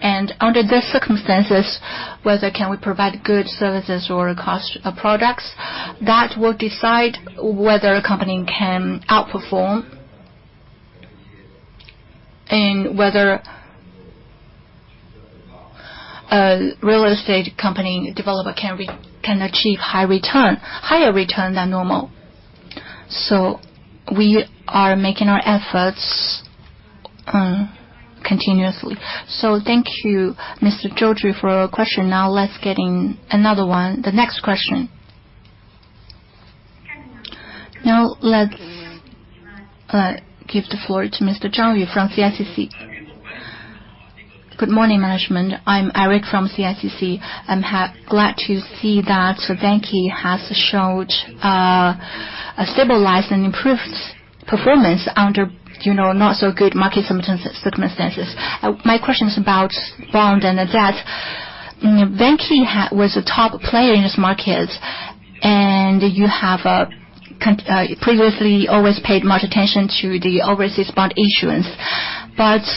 Under the circumstances, whether we can provide good services or low-cost products, that will decide whether a company can outperform and whether a real estate developer can achieve higher return than normal. We are making our efforts continuously. Thank you, Mr. Georgie, for your question. Now let's get to another one, the next question. Now let's give the floor to Mr. Zhang Yu from CICC. Good morning, management. I'm Eric from CICC. I'm glad to see that Vanke has shown a stabilized and improved performance under, you know, not so good market circumstances. My question is about bond and debt. Vanke was a top player in this market, and you have previously always paid much attention to the overseas bond issuance.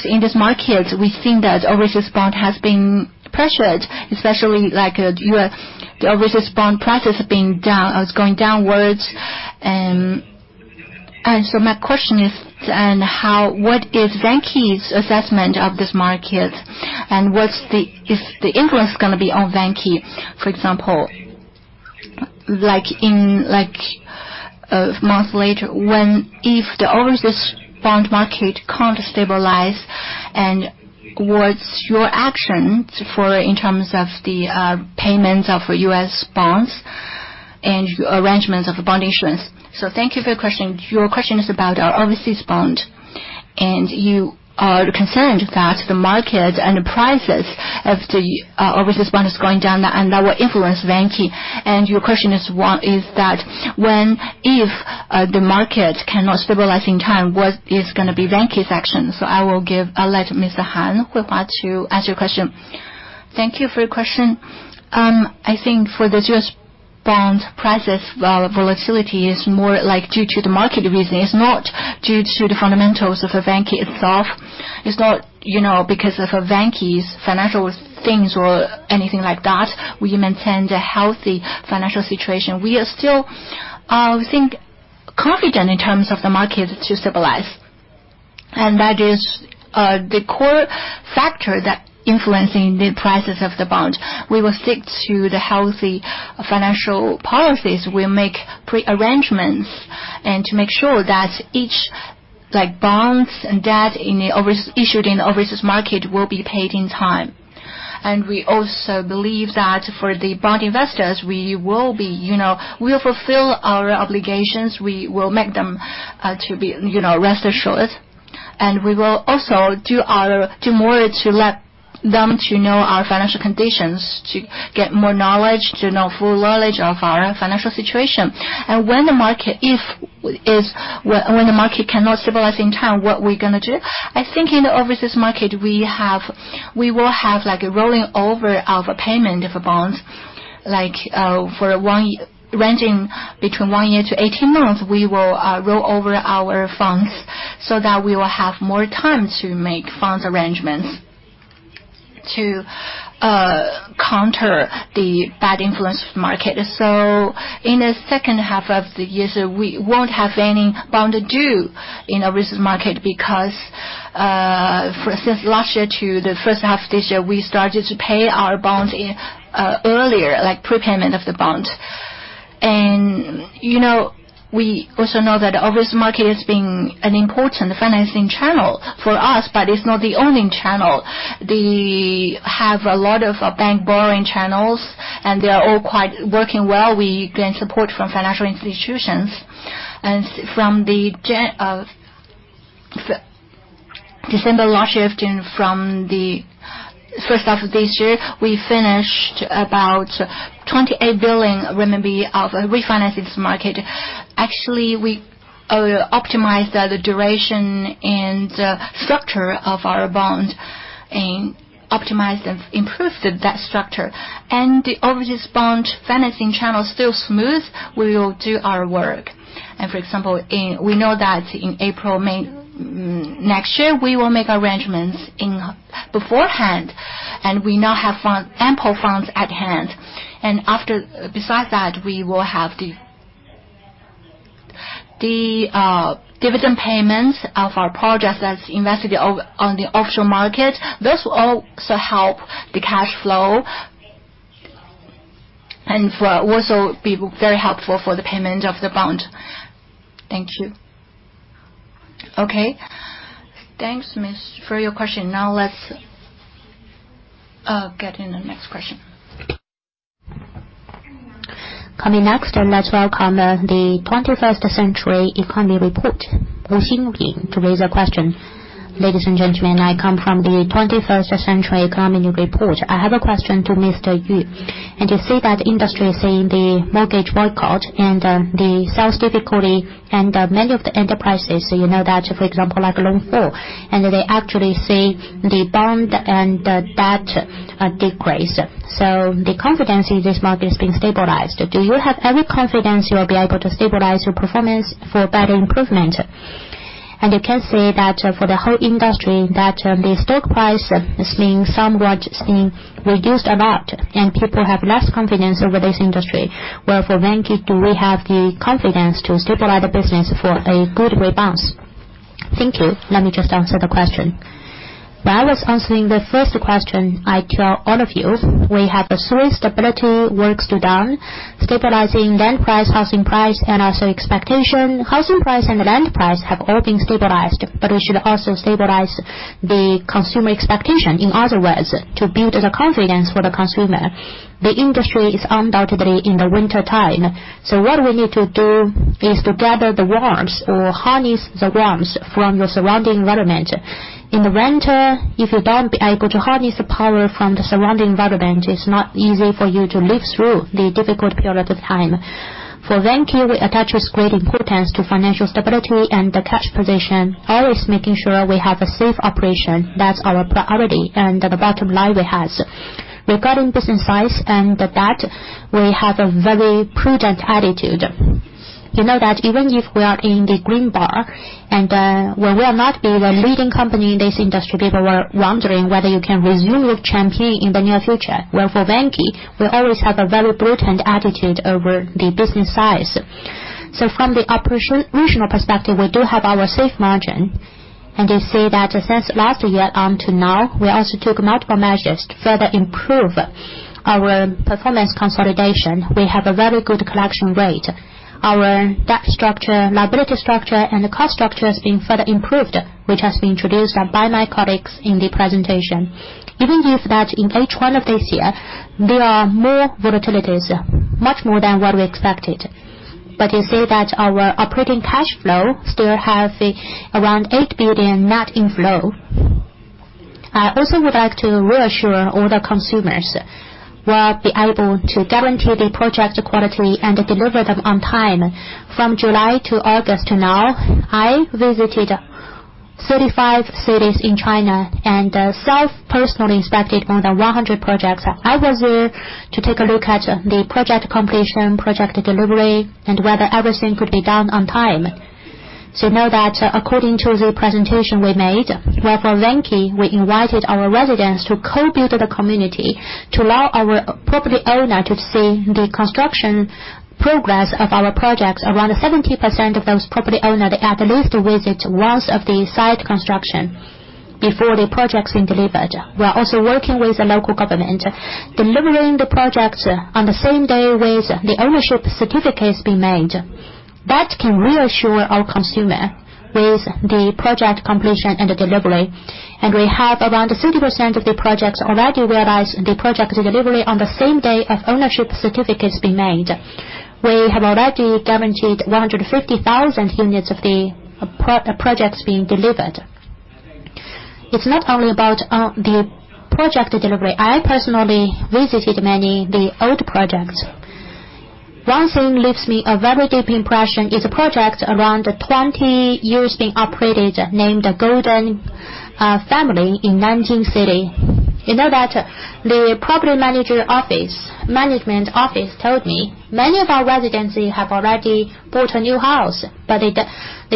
In this market, we've seen that overseas bond has been pressured, especially like your overseas bond prices being down, is going downwards. My question is then what is Vanke's assessment of this market? What's the influence gonna be on Vanke, for example, like, in, like, a month later when if the overseas bond market can't stabilize, and what's your action in terms of the payments of U.S. bonds and arrangements of the bond issuance? Thank you for your question. Your question is about our overseas bond, and you are concerned that the market and the prices of the overseas bond is going down, and that will influence Vanke. Your question is what is that? What if the market cannot stabilize in time, what is gonna be Vanke's action? I'll let Mr. Han Huihua answer your question. Thank you for your question. I think for the U.S. bond prices, volatility is more, like, due to the market reason. It's not due to the fundamentals of Vanke itself. It's not, you know, because of Vanke's financial things or anything like that. We maintain the healthy financial situation. We are still, I think, confident in terms of the market to stabilize. That is the core factor that influencing the prices of the bond. We will stick to the healthy financial policies. We'll make pre-arrangements and to make sure that each, like, bonds and debt issued in the overseas market will be paid in time. We also believe that for the bond investors, we will be, you know, we'll fulfill our obligations. We will make them to be, you know, rest assured. We will also do more to let them to know our financial conditions, to get more knowledge, to know full knowledge of our financial situation. When the market cannot stabilize in time, what we're gonna do? I think in the overseas market, we will have, like, a rolling over of a payment of a bonds, like, ranging between one year to 18 months, we will roll over our funds so that we will have more time to make funds arrangements to counter the bad influence of the market. In the second half of the year, we won't have any bond due in our bond market because since last year to the first half of this year, we started to pay our bonds earlier, like prepayment of the bond. You know, we also know that the overseas market has been an important financing channel for us, but it's not the only channel. We have a lot of bank borrowing channels, and they are all quite working well. We gain support from financial institutions. From December last year and from the first half of this year, we finished about 28 billion RMB of refinancing in this market. Actually, we optimized the duration and the structure of our bond and optimized and improved the debt structure. The overseas bond financing channel is still smooth. We will do our work. For example, we know that in April, May next year, we will make arrangements beforehand, and we now have ample funds at hand. Besides that, we will have the dividend payments of our projects that are invested on the offshore market. This will also help the cash flow and also be very helpful for the payment of the bond. Thank you. Okay. Thanks, Miss, for your question. Now let's get to the next question. Coming next, let's welcome the 21st Century Economy Report. Mr. Wu Xingyu, to raise a question. Ladies and gentlemen, I come from the 21st Century Business Herald. I have a question to Mr. Yu. You see that industry is seeing the mortgage boycott and the sales difficulty and many of the enterprises, you know that, for example, like Longfor, and they actually see the bond and the debt decrease. The confidence in this market is being stabilized. Do you have every confidence you will be able to stabilize your performance for better improvement? You can see that for the whole industry, that the stock price has been somewhat severely reduced a lot, and people have less confidence over this industry. Well, for Vanke, do we have the confidence to stabilize the business for a good rebound? Thank you. Let me just answer the question. When I was answering the first question, I told all of you, we have three stability works to do, stabilizing land price, housing price, and also expectation. Housing price and land price have all been stabilized, but we should also stabilize the consumer expectation. In other words, to build the confidence for the consumer. The industry is undoubtedly in the winter time. What we need to do is to gather the warmth or harness the warmth from the surrounding environment. In the winter, if you don't be able to harness the power from the surrounding environment, it's not easy for you to live through the difficult period of time. For Vanke, we attach great importance to financial stability and the cash position, always making sure we have a safe operation. That's our priority, and the bottom line we have. Regarding business size and the debt, we have a very prudent attitude. You know that even if we are in the green bar, we will not be the leading company in this industry, people were wondering whether you can resume your champion in the near future. Well, for Vanke, we always have a very prudent attitude over the business size. From the operational perspective, we do have our safe margin. You see that since last year until now, we also took multiple measures to further improve our performance consolidation. We have a very good collection rate. Our debt structure, liability structure, and the cost structure has been further improved, which has been introduced by my colleagues in the presentation. Even if that in each one of this year, there are more volatilities, much more than what we expected. You see that our operating cash flow still have around 8 billion net inflow. I also would like to reassure all the consumers we'll be able to guarantee the project quality and deliver them on time. From July to August to now, I visited 35 cities in China and personally inspected more than 100 projects. I was there to take a look at the project completion, project delivery, and whether everything could be done on time. You know that according to the presentation we made, well, for Vanke, we invited our residents to co-build the community to allow our property owner to see the construction progress of our projects. Around 70% of those property owner, they at least visit once of the site construction before the project's been delivered. We are also working with the local government, delivering the project on the same day with the ownership certificates being made. That can reassure our consumer with the project completion and the delivery. We have around 60% of the projects already realized the project delivery on the same day of ownership certificates being made. We have already guaranteed 150,000 units of the projects being delivered. It's not only about the project delivery. I personally visited many the old projects. One thing leaves me a very deep impression is a project around 20 years being operated named Golden Home in Nanjing City. You know that the property management office told me, "Many of our residents, they have already bought a new house, but they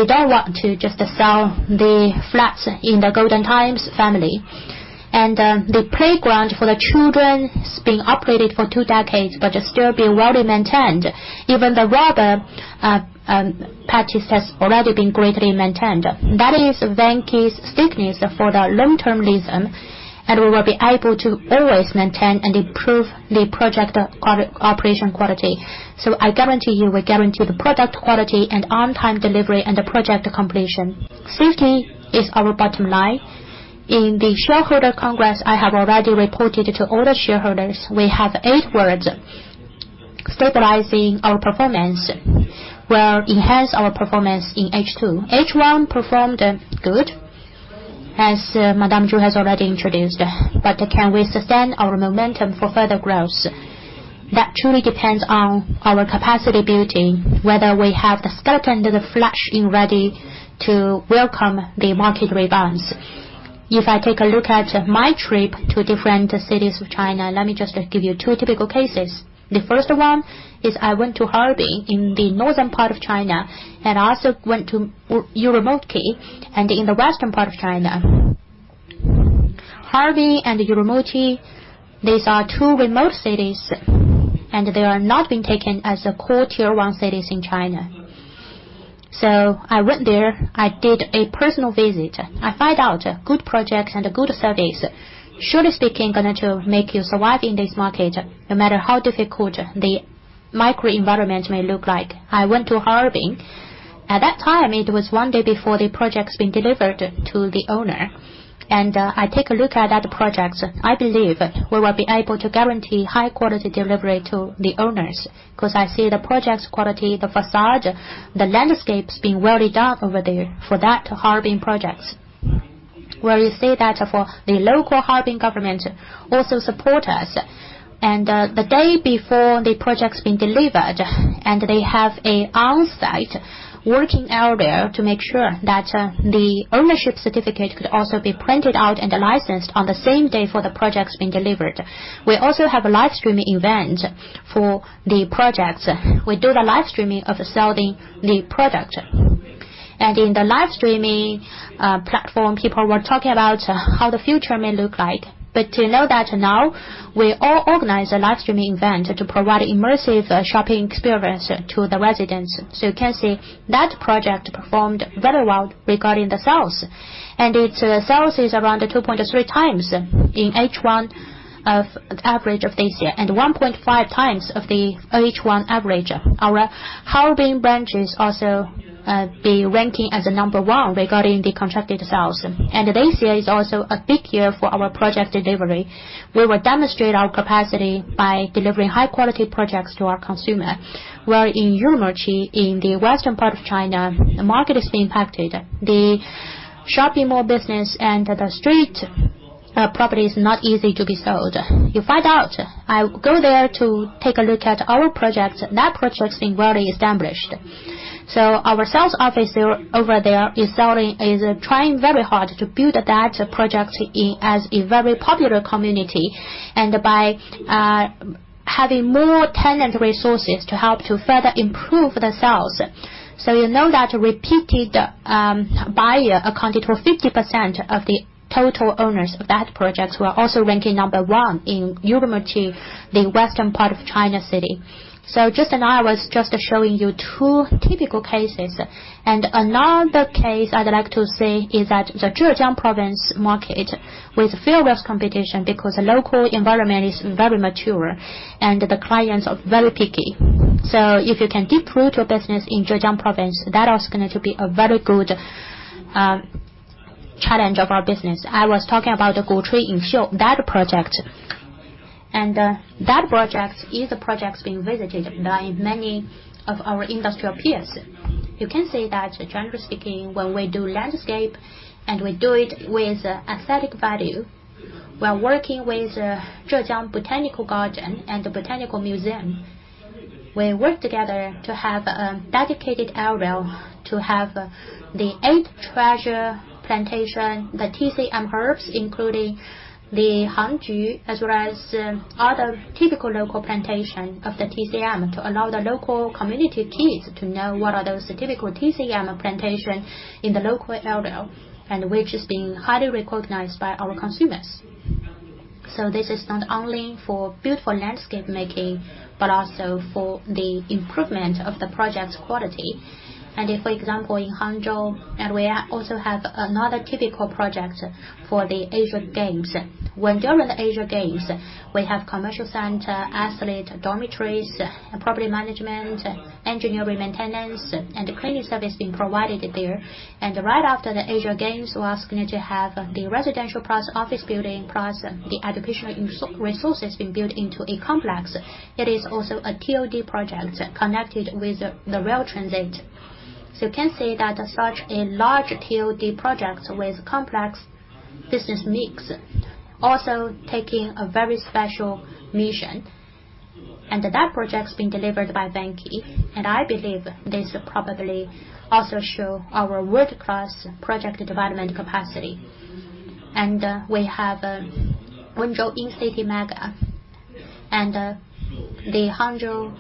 don't want to just sell the flats in the Golden Home." The playground for the children has been operated for two decades, but it's still being well maintained. Even the rubber patches has already been greatly maintained. That is Vanke's stickiness for the long-termism, and we will be able to always maintain and improve the project operation quality. I guarantee you, we guarantee the product quality and on-time delivery and the project completion. Safety is our bottom line. In the shareholder congress, I have already reported to all the shareholders, we have eight words, stabilizing our performance will enhance our performance in H2. H1 performed good, as Madame Ju has already introduced. Can we sustain our momentum for further growth? That truly depends on our capacity building, whether we have the skeleton and the flesh in ready to welcome the market rebounds. If I take a look at my trip to different cities of China, let me just give you two typical cases. The first one is I went to Harbin in the northern part of China, and I also went to Urumqi and in the western part of China. Harbin and Urumqi, these are two remote cities, and they are not being taken as the core tier one cities in China. I went there, I did a personal visit. I find out good projects and good service, surely speaking, going to make you survive in this market, no matter how difficult the macro environment may look like. I went to Harbin. At that time, it was one day before the project's been delivered to the owner. I take a look at that project. I believe we will be able to guarantee high quality delivery to the owners 'cause I see the project's quality, the façade, the landscape's been well done over there for that Harbin project. Well, you see that for the local Harbin government also support us. The day before the project's been delivered, and they have an on-site working hour there to make sure that the ownership certificate could also be printed out and licensed on the same day for the projects being delivered. We also have a live streaming event for the projects. We do the live streaming of selling the product. In the live streaming platform, people were talking about how the future may look like. To know that now, we all organize a live streaming event to provide immersive shopping experience to the residents. You can see that project performed very well regarding the sales. Its sales is around 2.3 times in H1 of average of this year, and 1.5 times of the H1 average. Our Harbin branch is also being ranked as the number one regarding the contracted sales. This year is also a big year for our project delivery. We will demonstrate our capacity by delivering high quality projects to our consumer. While in Urumqi, in the western part of China, the market is impacted. The shopping mall business and the street property is not easy to be sold. You find out, I go there to take a look at our project, that project is being already established. Our sales officer over there is trying very hard to build that project as a very popular community, and by having more tenant resources to help to further improve the sales. You know that repeated buyer accounted for 50% of the total owners of that project, who are also ranking number one in Urumqi, the western part of China city. Just now, I was just showing you two typical cases. Another case I'd like to say is that the Zhejiang Province market with fierce competition because the local environment is very mature, and the clients are very picky. If you can deep-root your business in Zhejiang Province, that is gonna to be a very good challenge of our business. I was talking about the Guanshan Yinxiu, that project. That project is a project being visited by many of our industrial peers. You can say that, generally speaking, when we do landscape, and we do it with aesthetic value, we're working with Hangzhou Botanical Garden and the Botanical Museum. We work together to have dedicated area to have the eight treasure plantation, the TCM herbs, including the hangju, as well as other typical local plantation of the TCM to allow the local community kids to know what are those typical TCM plantation in the local area, and which is being highly recognized by our consumers. This is not only for beautiful landscape making, but also for the improvement of the project's quality. If, for example, in Hangzhou, and we also have another typical project for the Asian Games. When during the Asian Games, we have commercial center, athlete dormitories, property management, engineering maintenance, and cleaning service being provided there. Right after the Asian Games, we are going to have the residential plus office building, plus the educational resources being built into a complex. It is also a TOD project connected with the rail transit. You can see that such a large TOD project with complex business mix, also taking a very special mission. That project is being delivered by Vanke. I believe this probably also show our world-class project development capacity. We have Wenzhou InCity MEGA and the Hangzhou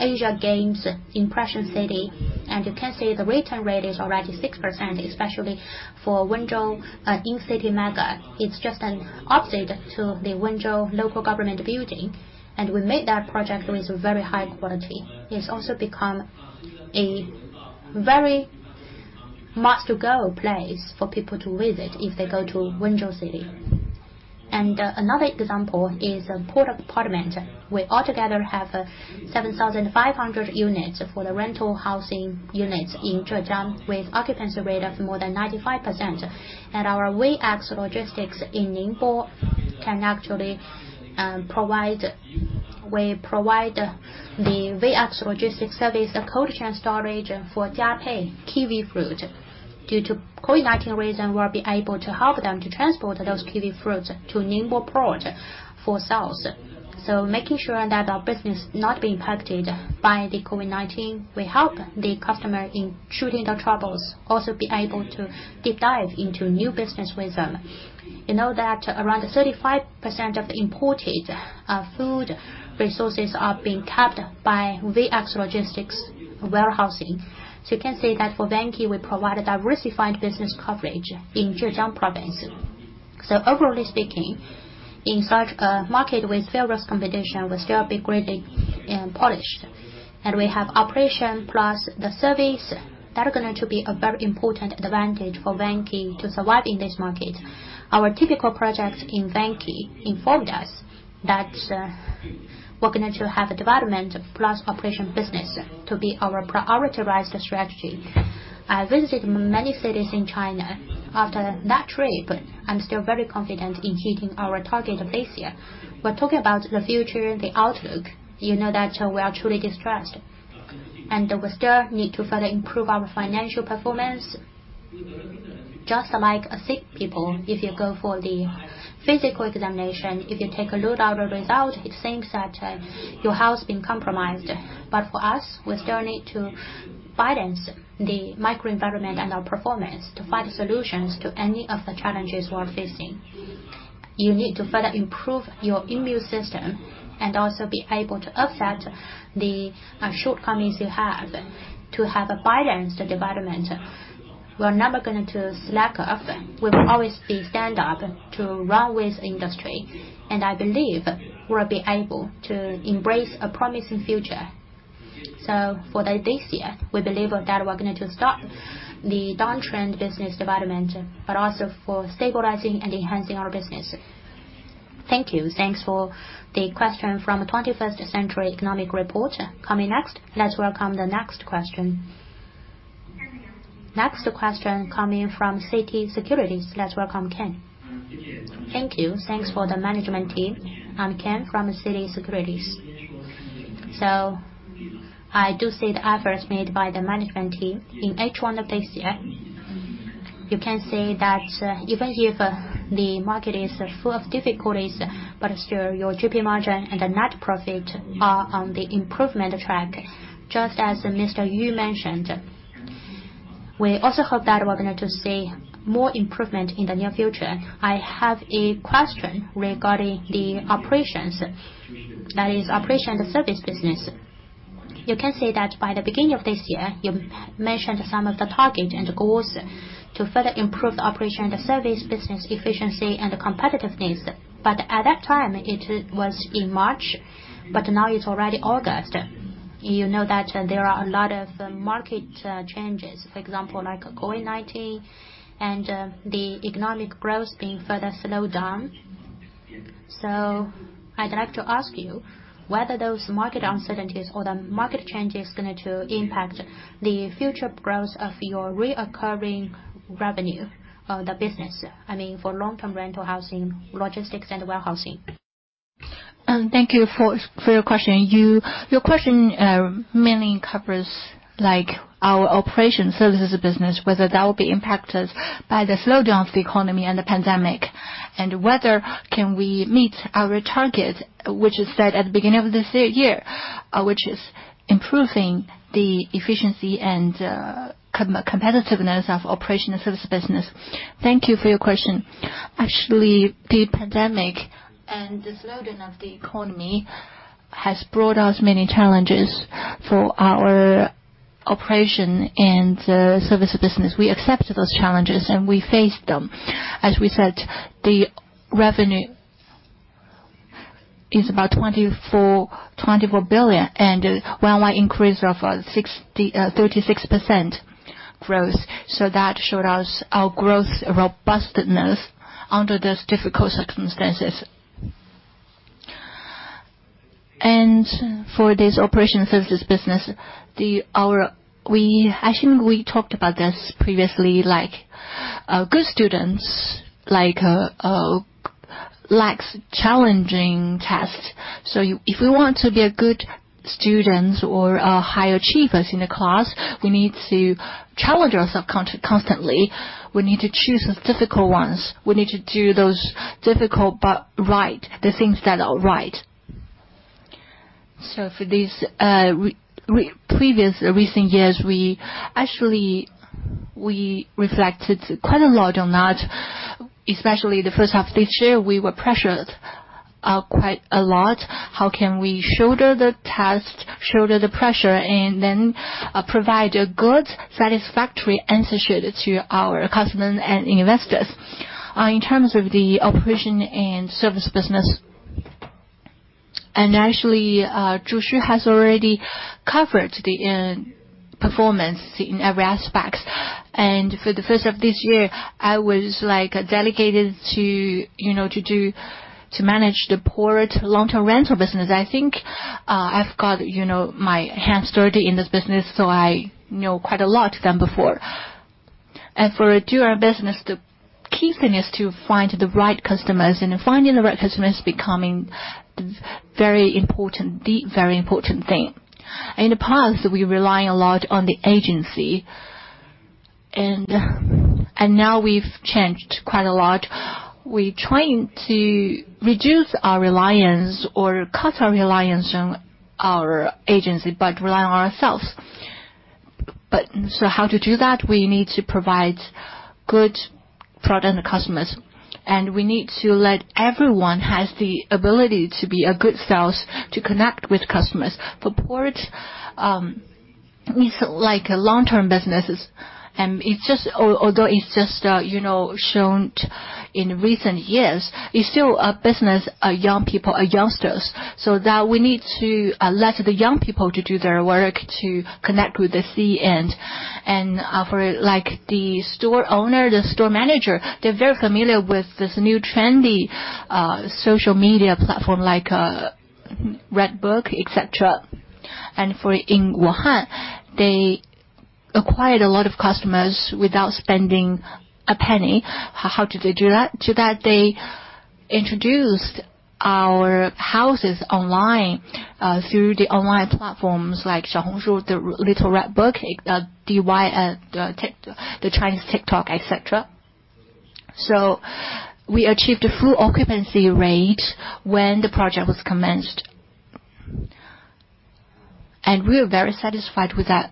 Asian Games Impression City. You can see the return rate is already 6%, especially for WenzhouInCity MEGA. It's just opposite to the Wenzhou local government building. We made that project with very high quality. It's also become a very must-to-go place for people to visit if they go to Wenzhou City. Another example is Port Apartment. We altogether have 7,500 units for the rental housing units in Zhejiang with occupancy rate of more than 95%. Our VX Logistics in Ningbo can actually provide the VX Logistics service, a cold chain storage for Zespri kiwi fruit. Due to COVID-19 reason, we'll be able to help them to transport those kiwi fruits to Ningbo port for sales. Making sure that our business is not being impacted by the COVID-19, we help the customer in solving their troubles, also be able to deep dive into new business with them. You know that around 35% of the imported food resources are being kept by VX Logistics warehousing. You can say that for Vanke, we provide a diversified business coverage in Zhejiang Province. Overall speaking, in such a market with fierce competition, we'll still be greatly polished. We have operation plus the service. That is going to be a very important advantage for Vanke to survive in this market. Our typical projects in Vanke informed us that we're going to have a development plus operation business to be our prioritized strategy. I visited many cities in China. After that trip, I'm still very confident in hitting our target this year. We're talking about the future, the outlook. You know that we are truly distressed, and we still need to further improve our financial performance. Just like a sick people, if you go for the physical examination, if you take a look at the result, it seems that your health's been compromised. For us, we still need to balance the microenvironment and our performance to find solutions to any of the challenges we're facing. You need to further improve your immune system and also be able to offset the shortcomings you have to have a balanced development. We're never going to slack off. We'll always be standing up to run with the industry, and I believe we'll be able to embrace a promising future. For this year, we believe that we're going to stop the downtrend business development, but also for stabilizing and enhancing our business. Thank you. Thanks for the question from 21st Century Economic Report. Coming next, let's welcome the next question. Next question coming from Zhongtai Securities. Let's welcome Ken. Thank you. Thanks for the management team. I'm Ken from Zhongtai Securities. I do see the efforts made by the management team. In H1 of this year, you can see that even if the market is full of difficulties, but still your GP margin and the net profit are on the improvement track, just as Mr. Yu mentioned. We also hope that we're going to see more improvement in the near future. I have a question regarding the operations. That is operation the service business. You can say that by the beginning of this year, you mentioned some of the target and goals to further improve the operation, the service, business efficiency and the competitiveness. At that time, it was in March, but now it's already August. You know that there are a lot of market changes, for example, like COVID-19 and the economic growth being further slowed down. I'd like to ask you whether those market uncertainties or the market change is going to impact the future growth of your recurring revenue of the business, I mean, for long-term rental housing, logistics and warehousing. Thank you for your question. Your question mainly covers like our operation services business, whether that will be impacted by the slowdown of the economy and the pandemic, and whether can we meet our target, which is set at the beginning of this year, which is improving the efficiency and competitiveness of operation service business. Thank you for your question. Actually, the pandemic and the slowdown of the economy has brought us many challenges for our operation and service business. We accept those challenges, and we face them. As we said, the revenue is about 24 billion and year-on-year increase of 36% growth. So, that showed us our growth robustness under these difficult circumstances. For this operation services business, we. I think we talked about this previously, like good students like challenging tests. If we want to be a good students or high achievers in the class, we need to challenge ourselves constantly. We need to choose the difficult ones. We need to do those difficult but right, the things that are right. For these recent years, we actually reflected quite a lot on that, especially the first half of this year, we were pressured quite a lot. How can we shoulder the test, shoulder the pressure, and then provide a good, satisfactory answer sheet to our customers and investors? In terms of the operation and service business, and actually, Zhu Xu has already covered the performance in every aspect. For the first half of this year, I was like delegated to, you know, to do, to manage the Port long-term rental business. I think, I've got, you know, my hands dirty in this business, so, I know quite a lot than before. For do our business, the key thing is to find the right customers, and finding the right customer is becoming very important, the very important thing. In the past, we rely a lot on the agency, and now we've changed quite a lot. We're trying to reduce our reliance or cut our reliance on our agency but rely on ourselves. How to do that? We need to provide good product to customers, and we need to let everyone has the ability to be a good sale to connect with customers. For Port, it's like a long-term business, it's just. Although it's just, you know, shown in recent years, it's still a business young people or youngsters. That we need to let the young people to do their work to connect with the Z, and for like the store owner, the store manager, they're very familiar with this new trendy social media platform like Red Book, et cetera. In Wuhan, they acquired a lot of customers without spending a penny. How did they do that? To that, they introduced our houses online through the online platforms like Xiaohongshu, the Little Red Book, Douyin, the Chinese TikTok, et cetera. We achieved a full occupancy rate when the project was commenced. We are very satisfied with that.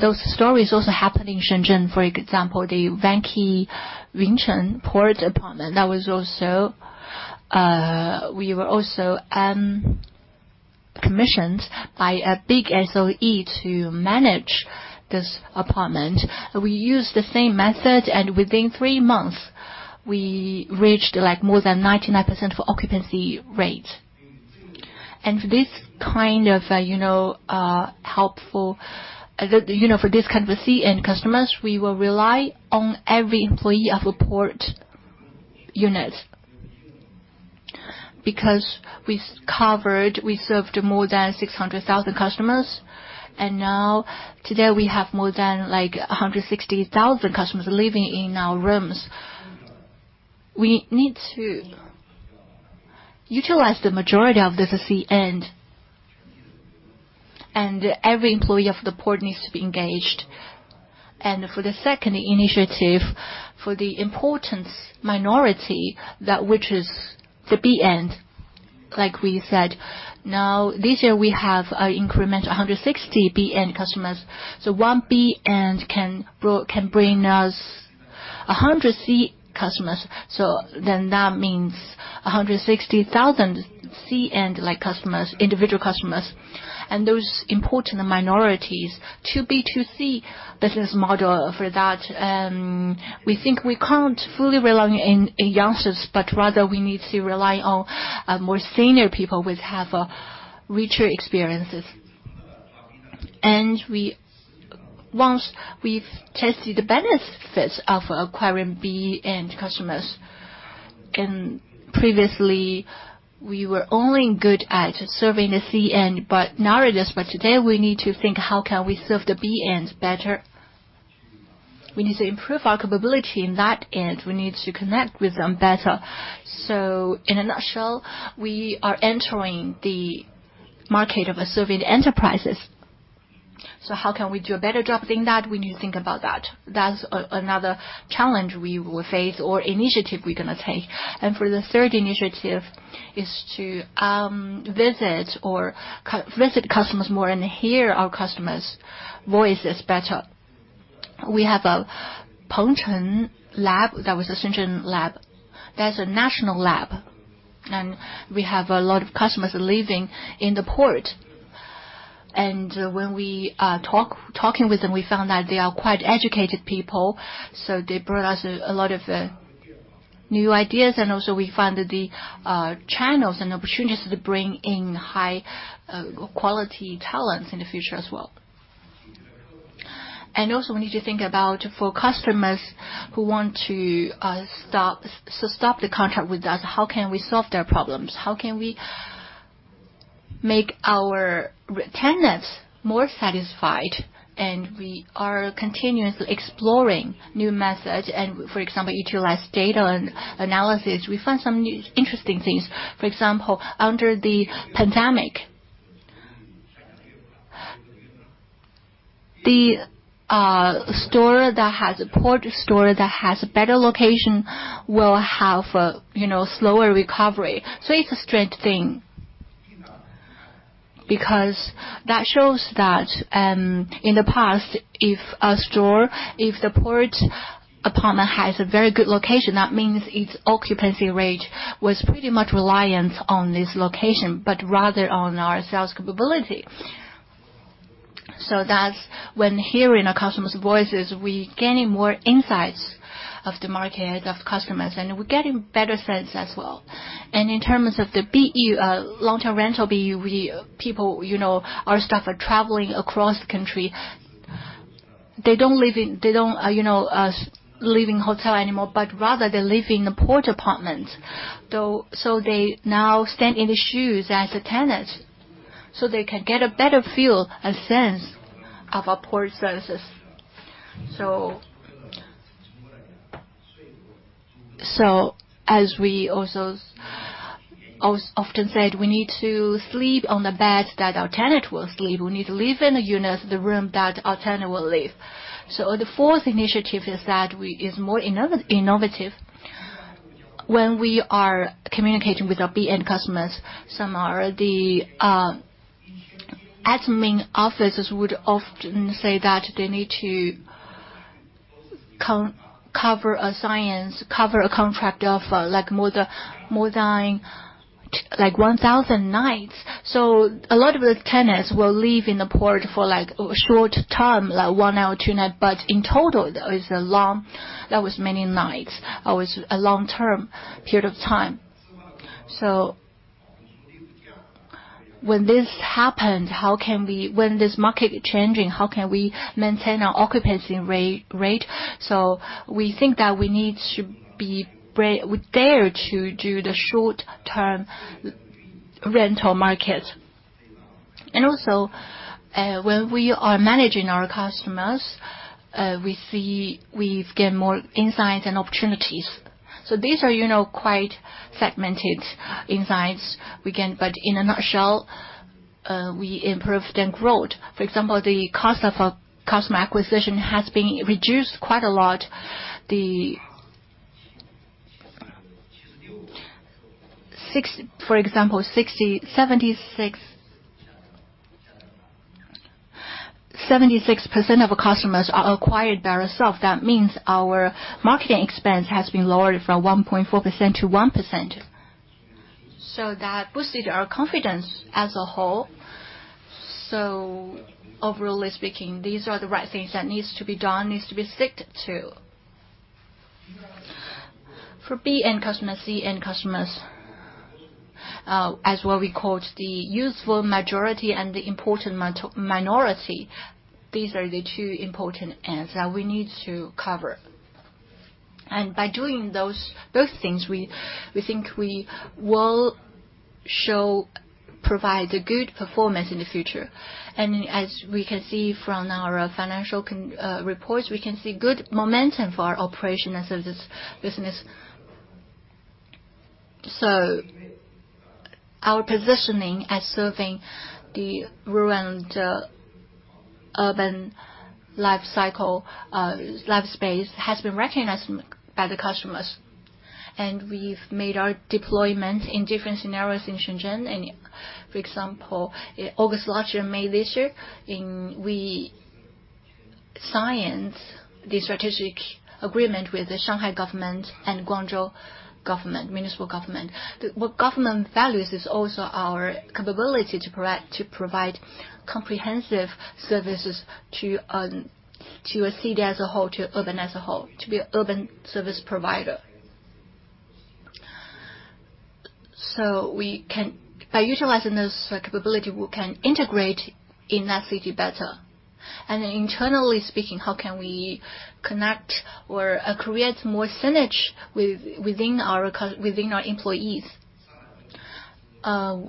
Those stories also happen in Shenzhen, for example, the Vanke Yongchun Port Apartment. That was also. We were also commissioned by a big SOE to manage this apartment. We used the same method, and within 3 months, we reached, like, more than 99% occupancy rate. For this kind of, you know, helpful. You know, for this kind of C-end customers, we will rely on every employee of a port unit. Because we covered, we served more than 600,000 customers. Now today, we have more than, like, 160,000 customers living in our rooms. We need to utilize the majority of this C-end, and every employee of the port needs to be engaged. For the second initiative, for the important minority, that which is the B-end, like we said, now this year we have incremental 160 B-end customers. One B-end can bring us 100 C customers. That means 160,000 C-end, like, customers, individual customers. Those important minorities to B2C business model for that, we think we can't fully rely on youngsters, but rather we need to rely on more senior people who have richer experiences. Once we've tested the benefits of acquiring B-end customers, and previously, we were only good at serving the C-end, but not really. Today, we need to think how can we serve the B-end better. We need to improve our capability in that end. We need to connect with them better. In a nutshell, we are entering the market of serving enterprises. How can we do a better job than that? We need to think about that. That's another challenge we will face or initiative we're gonna take. For the third initiative is to visit customers more and hear our customers' voices better. We have a Pengcheng Lab that was a Shenzhen lab. That's a national lab. We have a lot of customers living in the Port. When we talking with them, we found out they are quite educated people, so they brought us a lot of new ideas. We also found the channels and opportunities to bring in high quality talents in the future as well. We also need to think about for customers who want to stop the contract with us, how can we solve their problems? How can we make our tenants more satisfied? We are continuously exploring new methods and, for example, utilize data analysis. We found some new interesting things. For example, under the pandemic, the Port store that has a better location will have a you know slower recovery. It's a strange thing. Because that shows that in the past, if the Port Apartment has a very good location, that means its occupancy rate was pretty much reliant on this location, but rather on our sales capability. That's when hearing our customers' voices, we gaining more insights of the market, of customers, and we're getting better sense as well. In terms of the BU, long-term rental BU, people you know our staff are traveling across country. They don't live in hotels anymore, but rather they live in the Port Apartments. They now stand in the shoes as a tenant, so they can get a better feel, a sense of our port services. As we also often said, we need to sleep on the bed that our tenant will sleep. We need to live in the unit, the room that our tenant will live. The fourth initiative is more innovative. When we are communicating with our B-end customers, some of the admin offices would often say that they need to cover a certain contract of more than 1,000 nights. A lot of the tenants will live in the port for, like, a short term, like one or two nights, but in total, it's long, that's many nights or it's a long-term period of time. When this market is changing, how can we maintain our occupancy rate? We think that we need to dare to do the short-term rental market. When we are managing our customers, we see we've gained more insights and opportunities. These are, you know, quite segmented insights we gain. In a nutshell, we improved and growth. For example, the cost of a customer acquisition has been reduced quite a lot. For example, 76% of our customers are acquired by ourself. That means our marketing expense has been lowered from 1.4% to 1%. That boosted our confidence as a whole. Overall speaking, these are the right things that needs to be done, needs to be sticked to. For B-end customer, C-end customers, as what we call the useful majority and the important minority. These are the two important ends that we need to cover. By doing those, both things, we think we will provide a good performance in the future. As we can see from our financial reports, we can see good momentum for our operation as of this business. Our positioning as serving the rural and urban life cycle, life space, has been recognized by the customers. We've made our deployment in different scenarios in Shenzhen. For example, August last year, May this year, we signed the strategic agreement with the Shanghai government and Guangzhou government, municipal government. What the government values is also our capability to provide comprehensive services to a city as a whole, to the urban as a whole, to be an urban service provider. By utilizing this capability, we can integrate in that city better. Internally speaking, how can we connect or create more synergy within our company, within our employees. After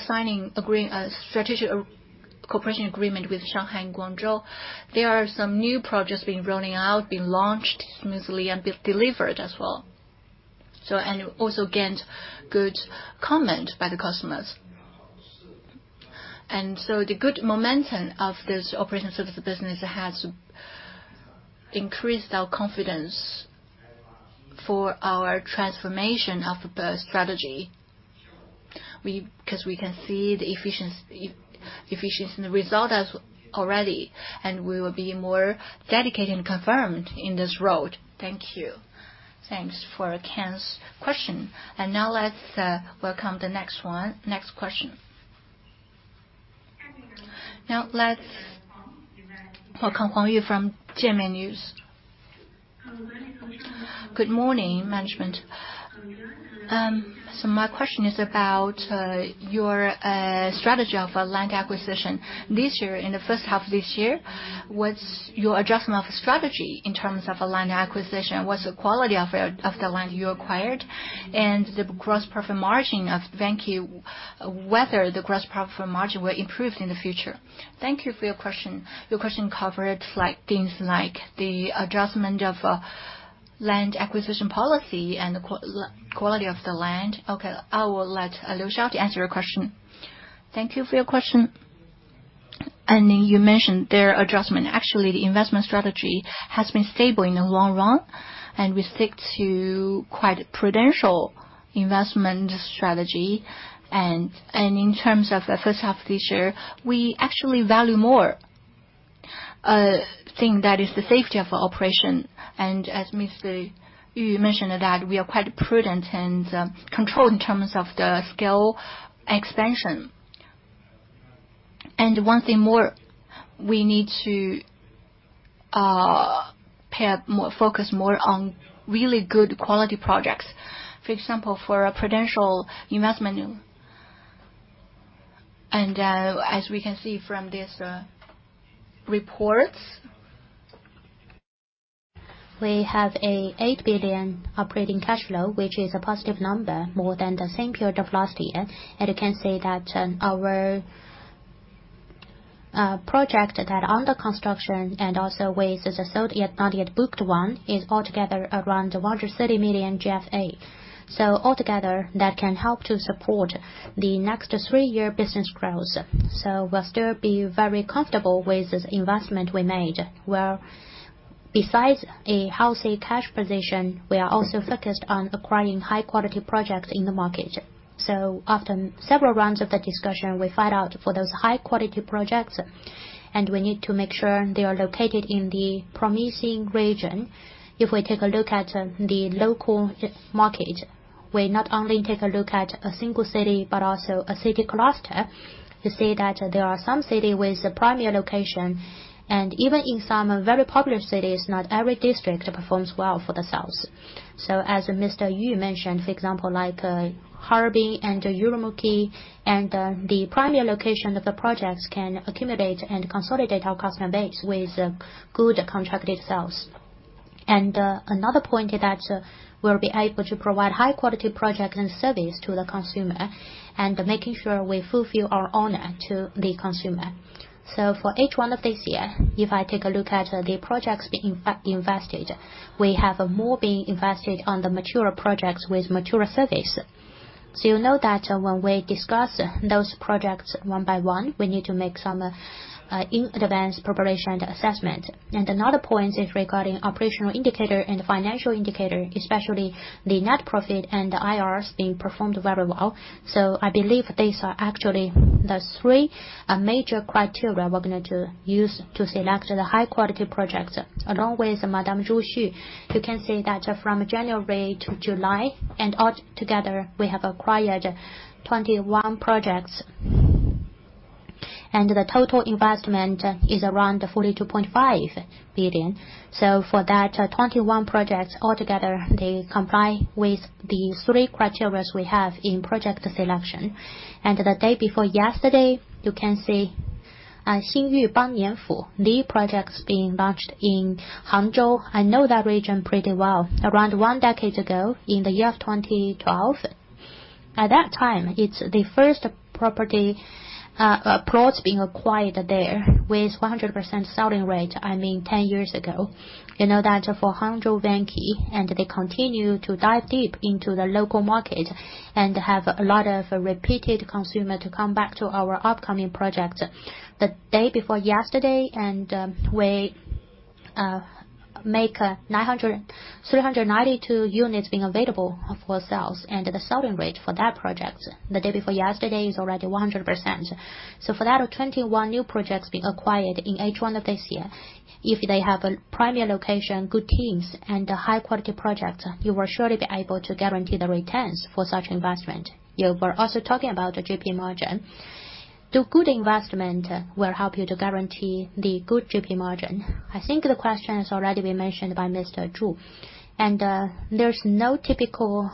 signing a strategic cooperation agreement with Shanghai and Guangzhou, there are some new projects being rolled out, being launched smoothly and be delivered as well. We also gained good comment by the customers. The good momentum of this operation service business has increased our confidence for our transformation of the strategy. Because we can see the efficiency in the result already, and we will be more dedicated and confirmed in this road. Thank you. Thanks for Ken's question. Now let's welcome the next question. Now let's welcome Huang Yu from Jiemian News. Good morning, management. So my question is about your strategy of land acquisition. This year, in the first half of this year, what's your adjustment of strategy in terms of land acquisition? What's the quality of the land you acquired? And the gross profit margin of Vanke, whether the gross profit margin will improve in the future. Thank you for your question. Your question covered like things like the adjustment of land acquisition policy and the quality of the land. Okay, I will let Liu Shao to answer your question. Thank you for your question. You mentioned their adjustment. Actually, the investment strategy has been stable in the long run, and we stick to quite a prudential investment strategy. In terms of the first half of this year, we actually value more, that is, the safety of operation. As Mr. Yu Liang mentioned, we are quite prudent and controlled in terms of the scale expansion. One thing more, we need to put more focus on really good quality projects. For example, for a prudential investment. As we can see from these reports, we have 8 billion operating cash flow, which is a positive number, more than the same period of last year. You can say that, our project that under construction and also with the associated not yet booked one, is altogether around 130 million GFA. Altogether, that can help to support the next three-year business growth. We'll still be very comfortable with this investment we made. Where besides a healthy cash position, we are also focused on acquiring high-quality projects in the market. After several rounds of the discussion, we find out for those high-quality projects, and we need to make sure they are located in the promising region. If we take a look at the local market, we not only take a look at a single city, but also a city cluster. You see that there are some city with a premier location, and even in some very popular cities, not every district performs well for the sales. As Mr. Yu mentioned, for example, like, Harbin and Urumqi, and the premier location of the projects can accumulate and consolidate our customer base with good contracted sales. Another point is that we'll be able to provide high-quality project and service to the consumer, and making sure we fulfill our honor to the consumer. For each one of this year, if I take a look at the projects being invested, we have more being invested on the mature projects with mature service. You know that when we discuss those projects one by one, we need to make some in advance preparation and assessment. Another point is regarding operational indicator and financial indicator, especially the net profit and the IRRs being performed very well. I believe these are actually the three major criteria we're going to use to select the high quality projects. Along with Madam Zhu Xu, you can see that from January to July altogether, we have acquired 21 projects. The total investment is around 42.5 billion. For that 21 projects altogether, they comply with the three criteria we have in project selection. The day before yesterday, you can see, Xinyu Bangyanfu, the project is being launched in Hangzhou. I know that region pretty well. Around one decade ago, in the year of 2012, at that time, it is the first property project being acquired there with 100% selling rate, I mean, ten years ago. You know that for Hangzhou Vanke, they continue to dive deep into the local market and have a lot of repeated consumer to come back to our upcoming project. The day before yesterday, we make 392 units being available for sales. The selling rate for that project, the day before yesterday, is already 100%. For that 21 new projects being acquired in H1 of this year, if they have a primary location, good teams, and a high-quality project, you will surely be able to guarantee the returns for such investment. You were also talking about the GP margin. The good investment will help you to guarantee the good GP margin. I think the question has already been mentioned by Mr. Zhu. There's no typical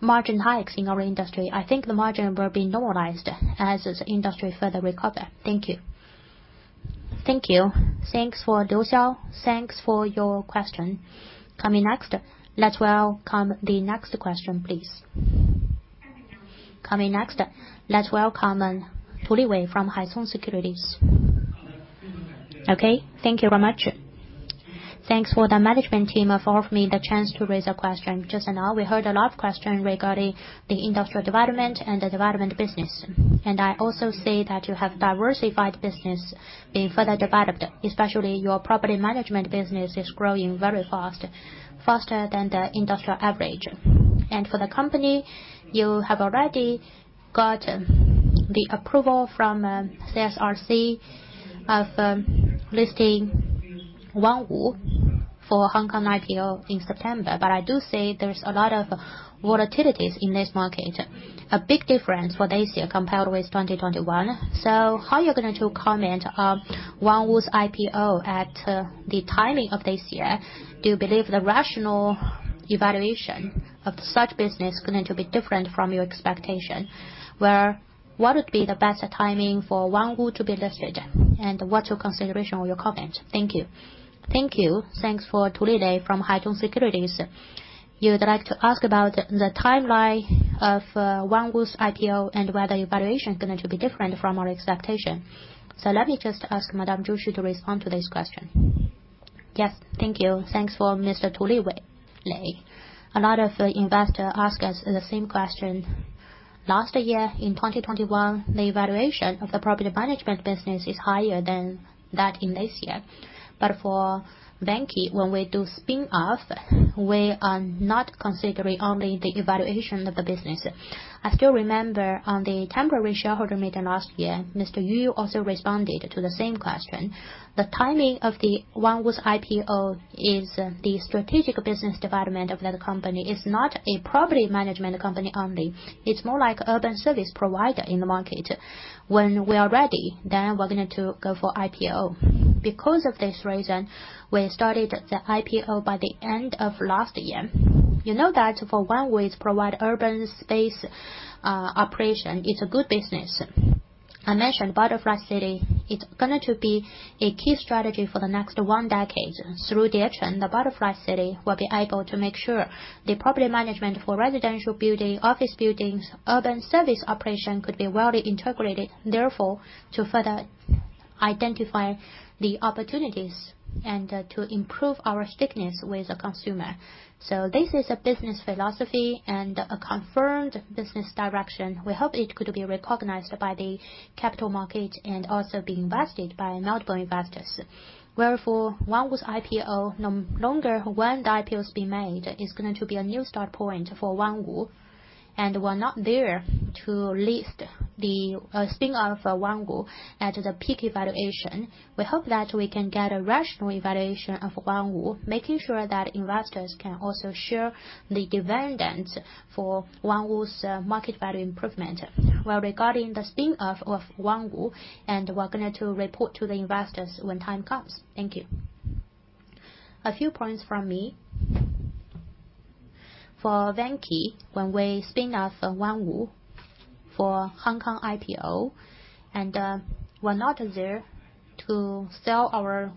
margin hikes in our industry. I think the margin will be normalized as this industry further recover. Thank you. Thank you. Thanks for Duxiao. Thanks for your question. Coming next, let's welcome the next question, please. Coming next, let's welcome Tu Lilei from Haitong Securities. Okay. Thank you very much. Thanks for the management team for offering me the chance to raise a question. Just now, we heard a lot of question regarding the industrial development and the development business. I also see that you have diversified business being further developed, especially your property management business is growing very fast, faster than the industrial average. For the company, you have already got the approval from CSRC of listing Onewo for Hong Kong IPO in September. I do see there's a lot of volatilities in this market, a big difference for this year compared with 2021. How are you going to comment on Onewo's IPO at the timing of this year? Do you believe the rational evaluation of such business is going to be different from your expectation? What would be the best timing for Onewo to be listed, and what's your consideration or your comment? Thank you. Thank you. Thanks for Tu Lilei from Haitong Securities. You would like to ask about the timeline of Onewo's IPO and whether valuation is going to be different from our expectation. Let me just ask Madam Zhu Xu to respond to this question. Yes. Thank you. Thanks for Mr. Tu Lilei. A lot of investors ask us the same question. Last year, in 2021, the valuation of the property management business is higher than that in this year. For Vanke, when we do spin off, we are not considering only the valuation of the business. I still remember on the temporary shareholder meeting last year, Mr. Yu also responded to the same question. The timing of the Onewo's IPO is the strategic business development of that company. It's not a property management company only. It's more like urban service provider in the market. When we are ready, then we're going to go for IPO. Because of this reason, we started the IPO by the end of last year. You know that for Onewo is provide urban space, operation. It's a good business. I mentioned Butterfly City. It's going to be a key strategy for the next one decade. Through the action, the Butterfly City will be able to make sure the property management for residential building, office buildings, urban service operation could be well integrated, therefore, to further identify the opportunities and, to improve our stickiness with the consumer. This is a business philosophy and a confirmed business direction. We hope it could be recognized by the capital market and also be invested by multiple investors. Therefore, Onewo's IPO, no matter when the IPO is being made, is going to be a new starting point for Onewo. We're not there to list the spin-off of Onewo at the peak valuation. We hope that we can get a rational valuation of Onewo, making sure that investors can also share the dividends for Onewo's market value improvement. Well, regarding the spin-off of Onewo, we're going to report to the investors when time comes. Thank you. A few points from me. For Vanke, when we spin off Onewo for Hong Kong IPO, we're not there to sell our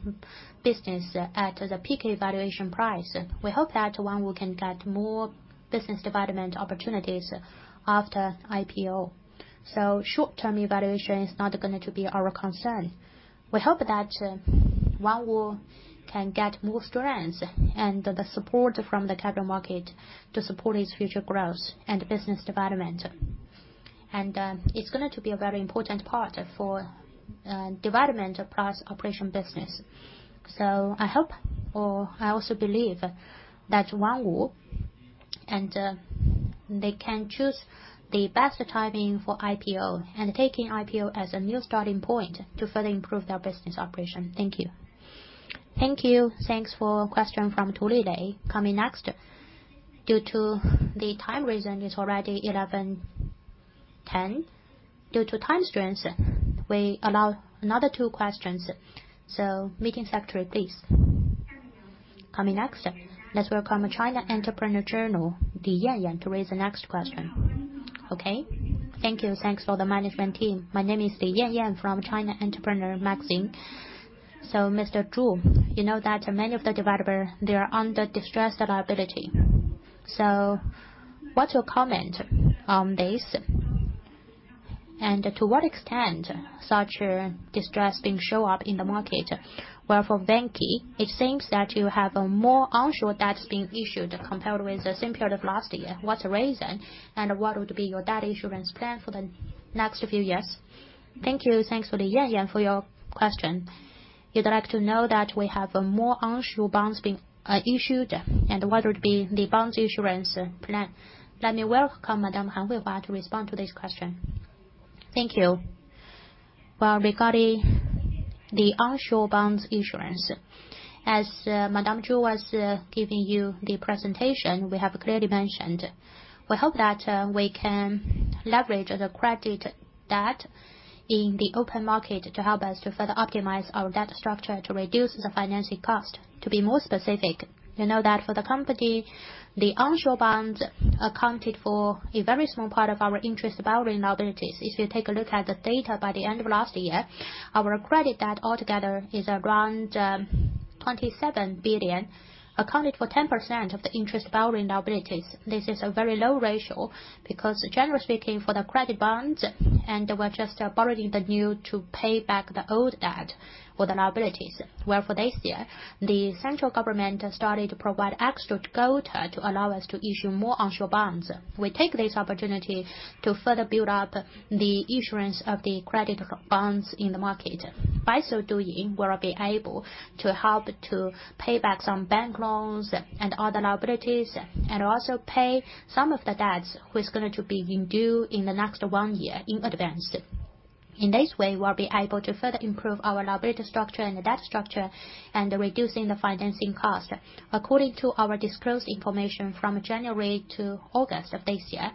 business at the peak valuation price. We hope that Onewo can get more business development opportunities after IPO. Short term valuation is not going to be our concern. We hope that Wanwu can get more strengths and the support from the capital market to support its future growth and business development. It's going to be a very important part for development of price operation business. I hope or I also believe that Wanwu and they can choose the best timing for IPO and taking IPO as a new starting point to further improve their business operation. Thank you. Thank you. Thanks for question from Tuli Day. Coming next. Due to the time reason, it's already 11:10 A.M. Due to time constraints, we allow another two questions. Meeting secretary, please. Coming next, let's welcome China Entrepreneur Magazine, Di Yanyan, to raise the next question. Okay. Thank you. Thanks for the management team. My name is Di Yanyan from China Entrepreneur Magazine. Mr. Zhu, you know that many of the developers, they are under distressed liquidity. What's your comment on this? And to what extent such distress is showing up in the market? Whereas for Vanke, it seems that you have more onshore debts being issued compared with the same period of last year. What's the reason and what would be your debt issuance plan for the next few years? Thank you. Thanks to Di Yanyan for your question. You'd like to know that we have more onshore bonds being issued and what would be the bonds issuance plan. Let me welcome Madam Han Huihua to respond to this question. Thank you. Well, regarding the onshore bonds issuance, as Madam Zhu was giving you the presentation, we have clearly mentioned, we hope that we can leverage the corporate debt in the open market to help us to further optimize our debt structure to reduce the financing cost. To be more specific, you know that for the company, the onshore bonds accounted for a very small part of our interest-bearing liabilities. If you take a look at the data by the end of last year, our corporate debt altogether is around 27 billion, accounted for 10% of the interest-bearing liabilities. This is a very low ratio because generally speaking, for the corporate bonds, and we're just borrowing the new to pay back the old debt or the liabilities. Whereas for this year, the central government has started to provide extra quota to allow us to issue more onshore bonds. We take this opportunity to further build up the issuance of the credit bonds in the market. By so doing, we'll be able to help to pay back some bank loans and other liabilities and also pay some of the debts which is going to be due in the next one year in advance. In this way, we'll be able to further improve our liability structure and the debt structure and reducing the financing cost. According to our disclosed information from January to August of this year,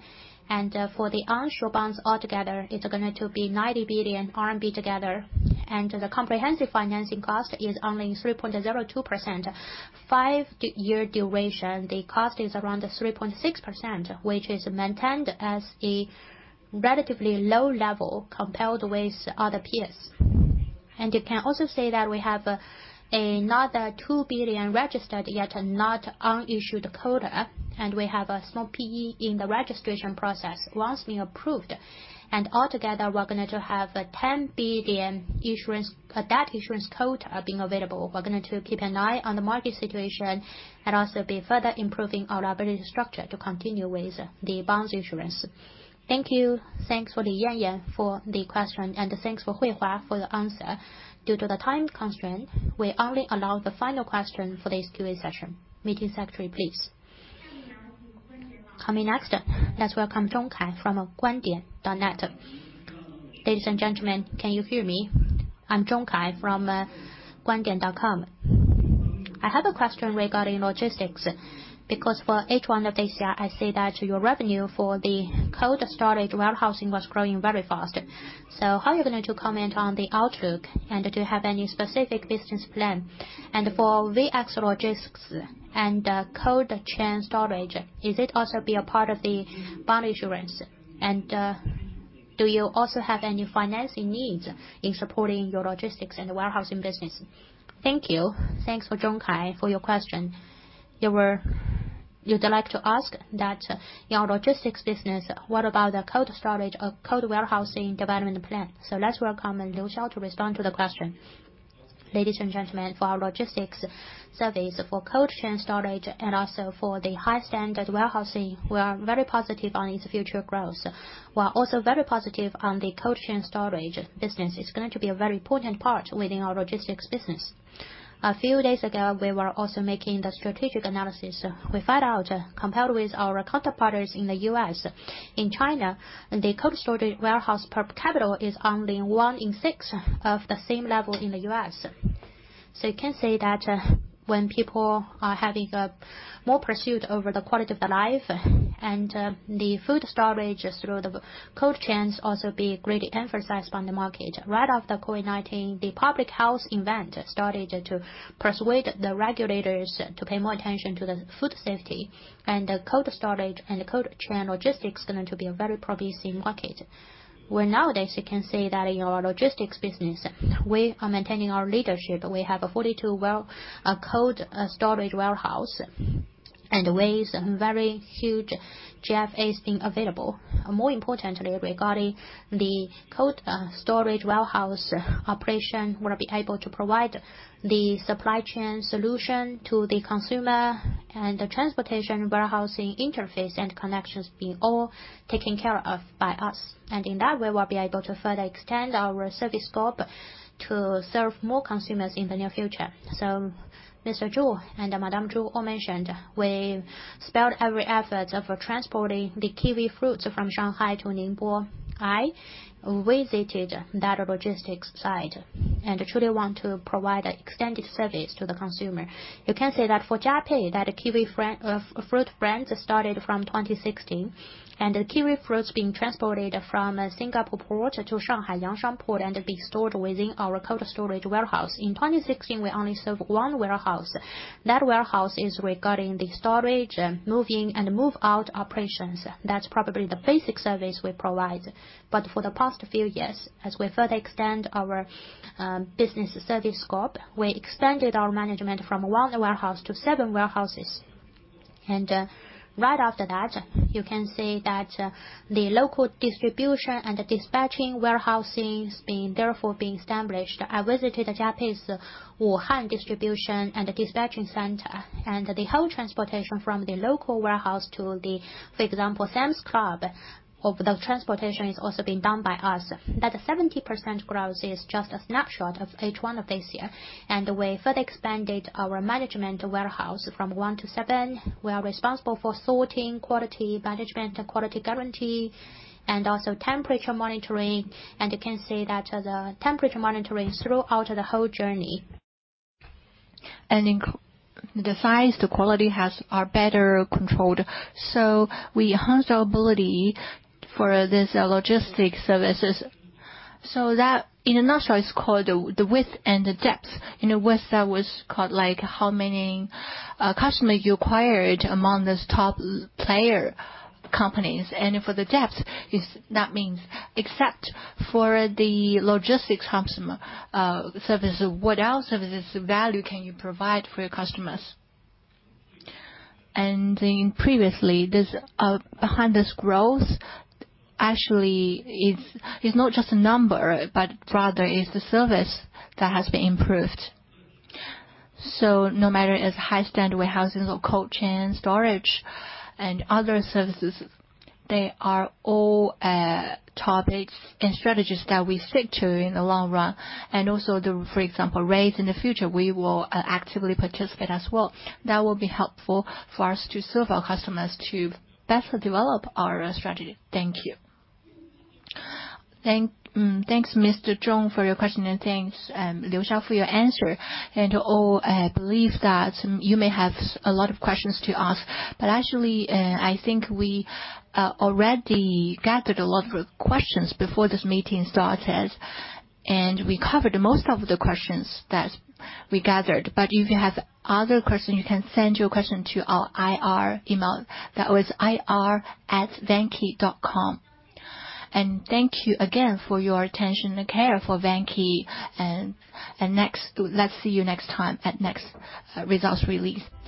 and for the onshore bonds altogether, it's going to be 90 billion RMB together, and the comprehensive financing cost is only 3.02%. 5-year duration, the cost is around 3.6%, which is maintained as a relatively low level compared with other peers. You can also say that we have another 2 billion registered, yet not unissued quota, and we have a small PE in the registration process once being approved. Altogether, we're going to have a 10 billion issuance-debt issuance quota being available. We're going to keep an eye on the market situation and also be further improving our liability structure to continue with the bonds issuance. Thank you. Thanks for Di Yanyan for the question, and thanks for Weihua for the answer. Due to the time constraint, we only allow the final question for this Q&A session. Meeting secretary, please. Coming next, let's welcome Zhong Kai from Guandian.cn. Ladies and gentlemen, can you hear me? I'm Zhong Kai from Guandian.cn. I have a question regarding logistics. Because for H1 of this year, I see that your revenue for the cold storage warehousing was growing very fast. How are you going to comment on the outlook, and do you have any specific business plan? And for VX Logistics and, cold chain storage, is it also be a part of the bond issuance? And, do you also have any financing needs in supporting your logistics and warehousing business? Thank you. Thanks for Zhong Kai for your question. You'd like to ask that in our logistics business, what about the cold storage or cold warehousing development plan? Let's welcome Liu Xiao to respond to the question. Ladies and gentlemen, for our logistics service, for cold chain storage and also for the high-standard warehousing, we are very positive on its future growth. We are also very positive on the cold chain storage business. It's going to be a very important part within our logistics business. A few days ago, we were also making the strategic analysis. We found out, compared with our counterparts in the U.S., in China, the cold storage warehouse per capita is only one in six of the same level in the U.S. You can say that when people are having a more pursuit over the quality of their life and the food storage through the cold chains also be greatly emphasized on the market. Right after COVID-19, the public health event started to persuade the regulators to pay more attention to the food safety and the cold storage and the cold chain logistics is going to be a very promising market. Well nowadays, you can say that in our logistics business, we are maintaining our leadership. We have 42 cold storage warehouses with very huge GFAs being available. More importantly, regarding the cold storage warehouse operation, we'll be able to provide the supply chain solution to the consumer and the transportation warehousing interface and connections being all taken care of by us. In that, we will be able to further extend our service scope to serve more consumers in the near future. Mr. Chu and Madam Chu all mentioned, we've spared every effort of transporting the kiwi fruits from Shanghai to Ningbo. I visited that logistics site and truly want to provide an extended service to the consumer. You can say that for Zespri, that kiwi fruit brand started from 2016, and the kiwi fruits being transported from Singapore Port to Shanghai Yangshan Port and being stored within our cold storage warehouse. In 2016, we only served one warehouse. That warehouse is regarding the storage, move-in and move-out operations. That's probably the basic service we provide. For the past few years, as we further extend our business service scope, we expanded our management from one warehouse to seven warehouses. Right after that, you can see that the local distribution and the dispatching warehouse is therefore being established. I visited Japi's Wuhan distribution and dispatching center, and the whole transportation from the local warehouse to the, for example, Sam's Club, of the transportation is also being done by us. That 70% growth is just a snapshot of H1 of this year, and we further expanded our management warehouse from one to seven. We are responsible for sorting, quality management, quality guarantee, and also temperature monitoring. You can see that the temperature monitoring is throughout the whole journey. The size, the quality are better controlled. We enhanced our ability for this logistics services. That, in a nutshell, is called the width and the depth. In width, that was called, like, how many customer you acquired among this top player companies. For the depth is that means except for the logistics customer service, what else services value can you provide for your customers? Previously, this behind this growth, actually is not just a number, but rather is the service that has been improved. No matter if high standard warehousing or cold chain storage and other services, they are all topics and strategies that we stick to in the long run. Also, for example, rates in the future, we will actively participate as well. That will be helpful for us to serve our customers to better develop our strategy. Thank you. Thanks, Mr. Chung, for your question, and thanks, Liu Xiao, for your answer. All, I believe that you may have a lot of questions to ask, but actually, I think we already gathered a lot of questions before this meeting started, and we covered most of the questions that we gathered. If you have other questions, you can send your question to our IR email. That was ir@vanke.com. Thank you again for your attention and care for Vanke. Let's see you next time at next results release.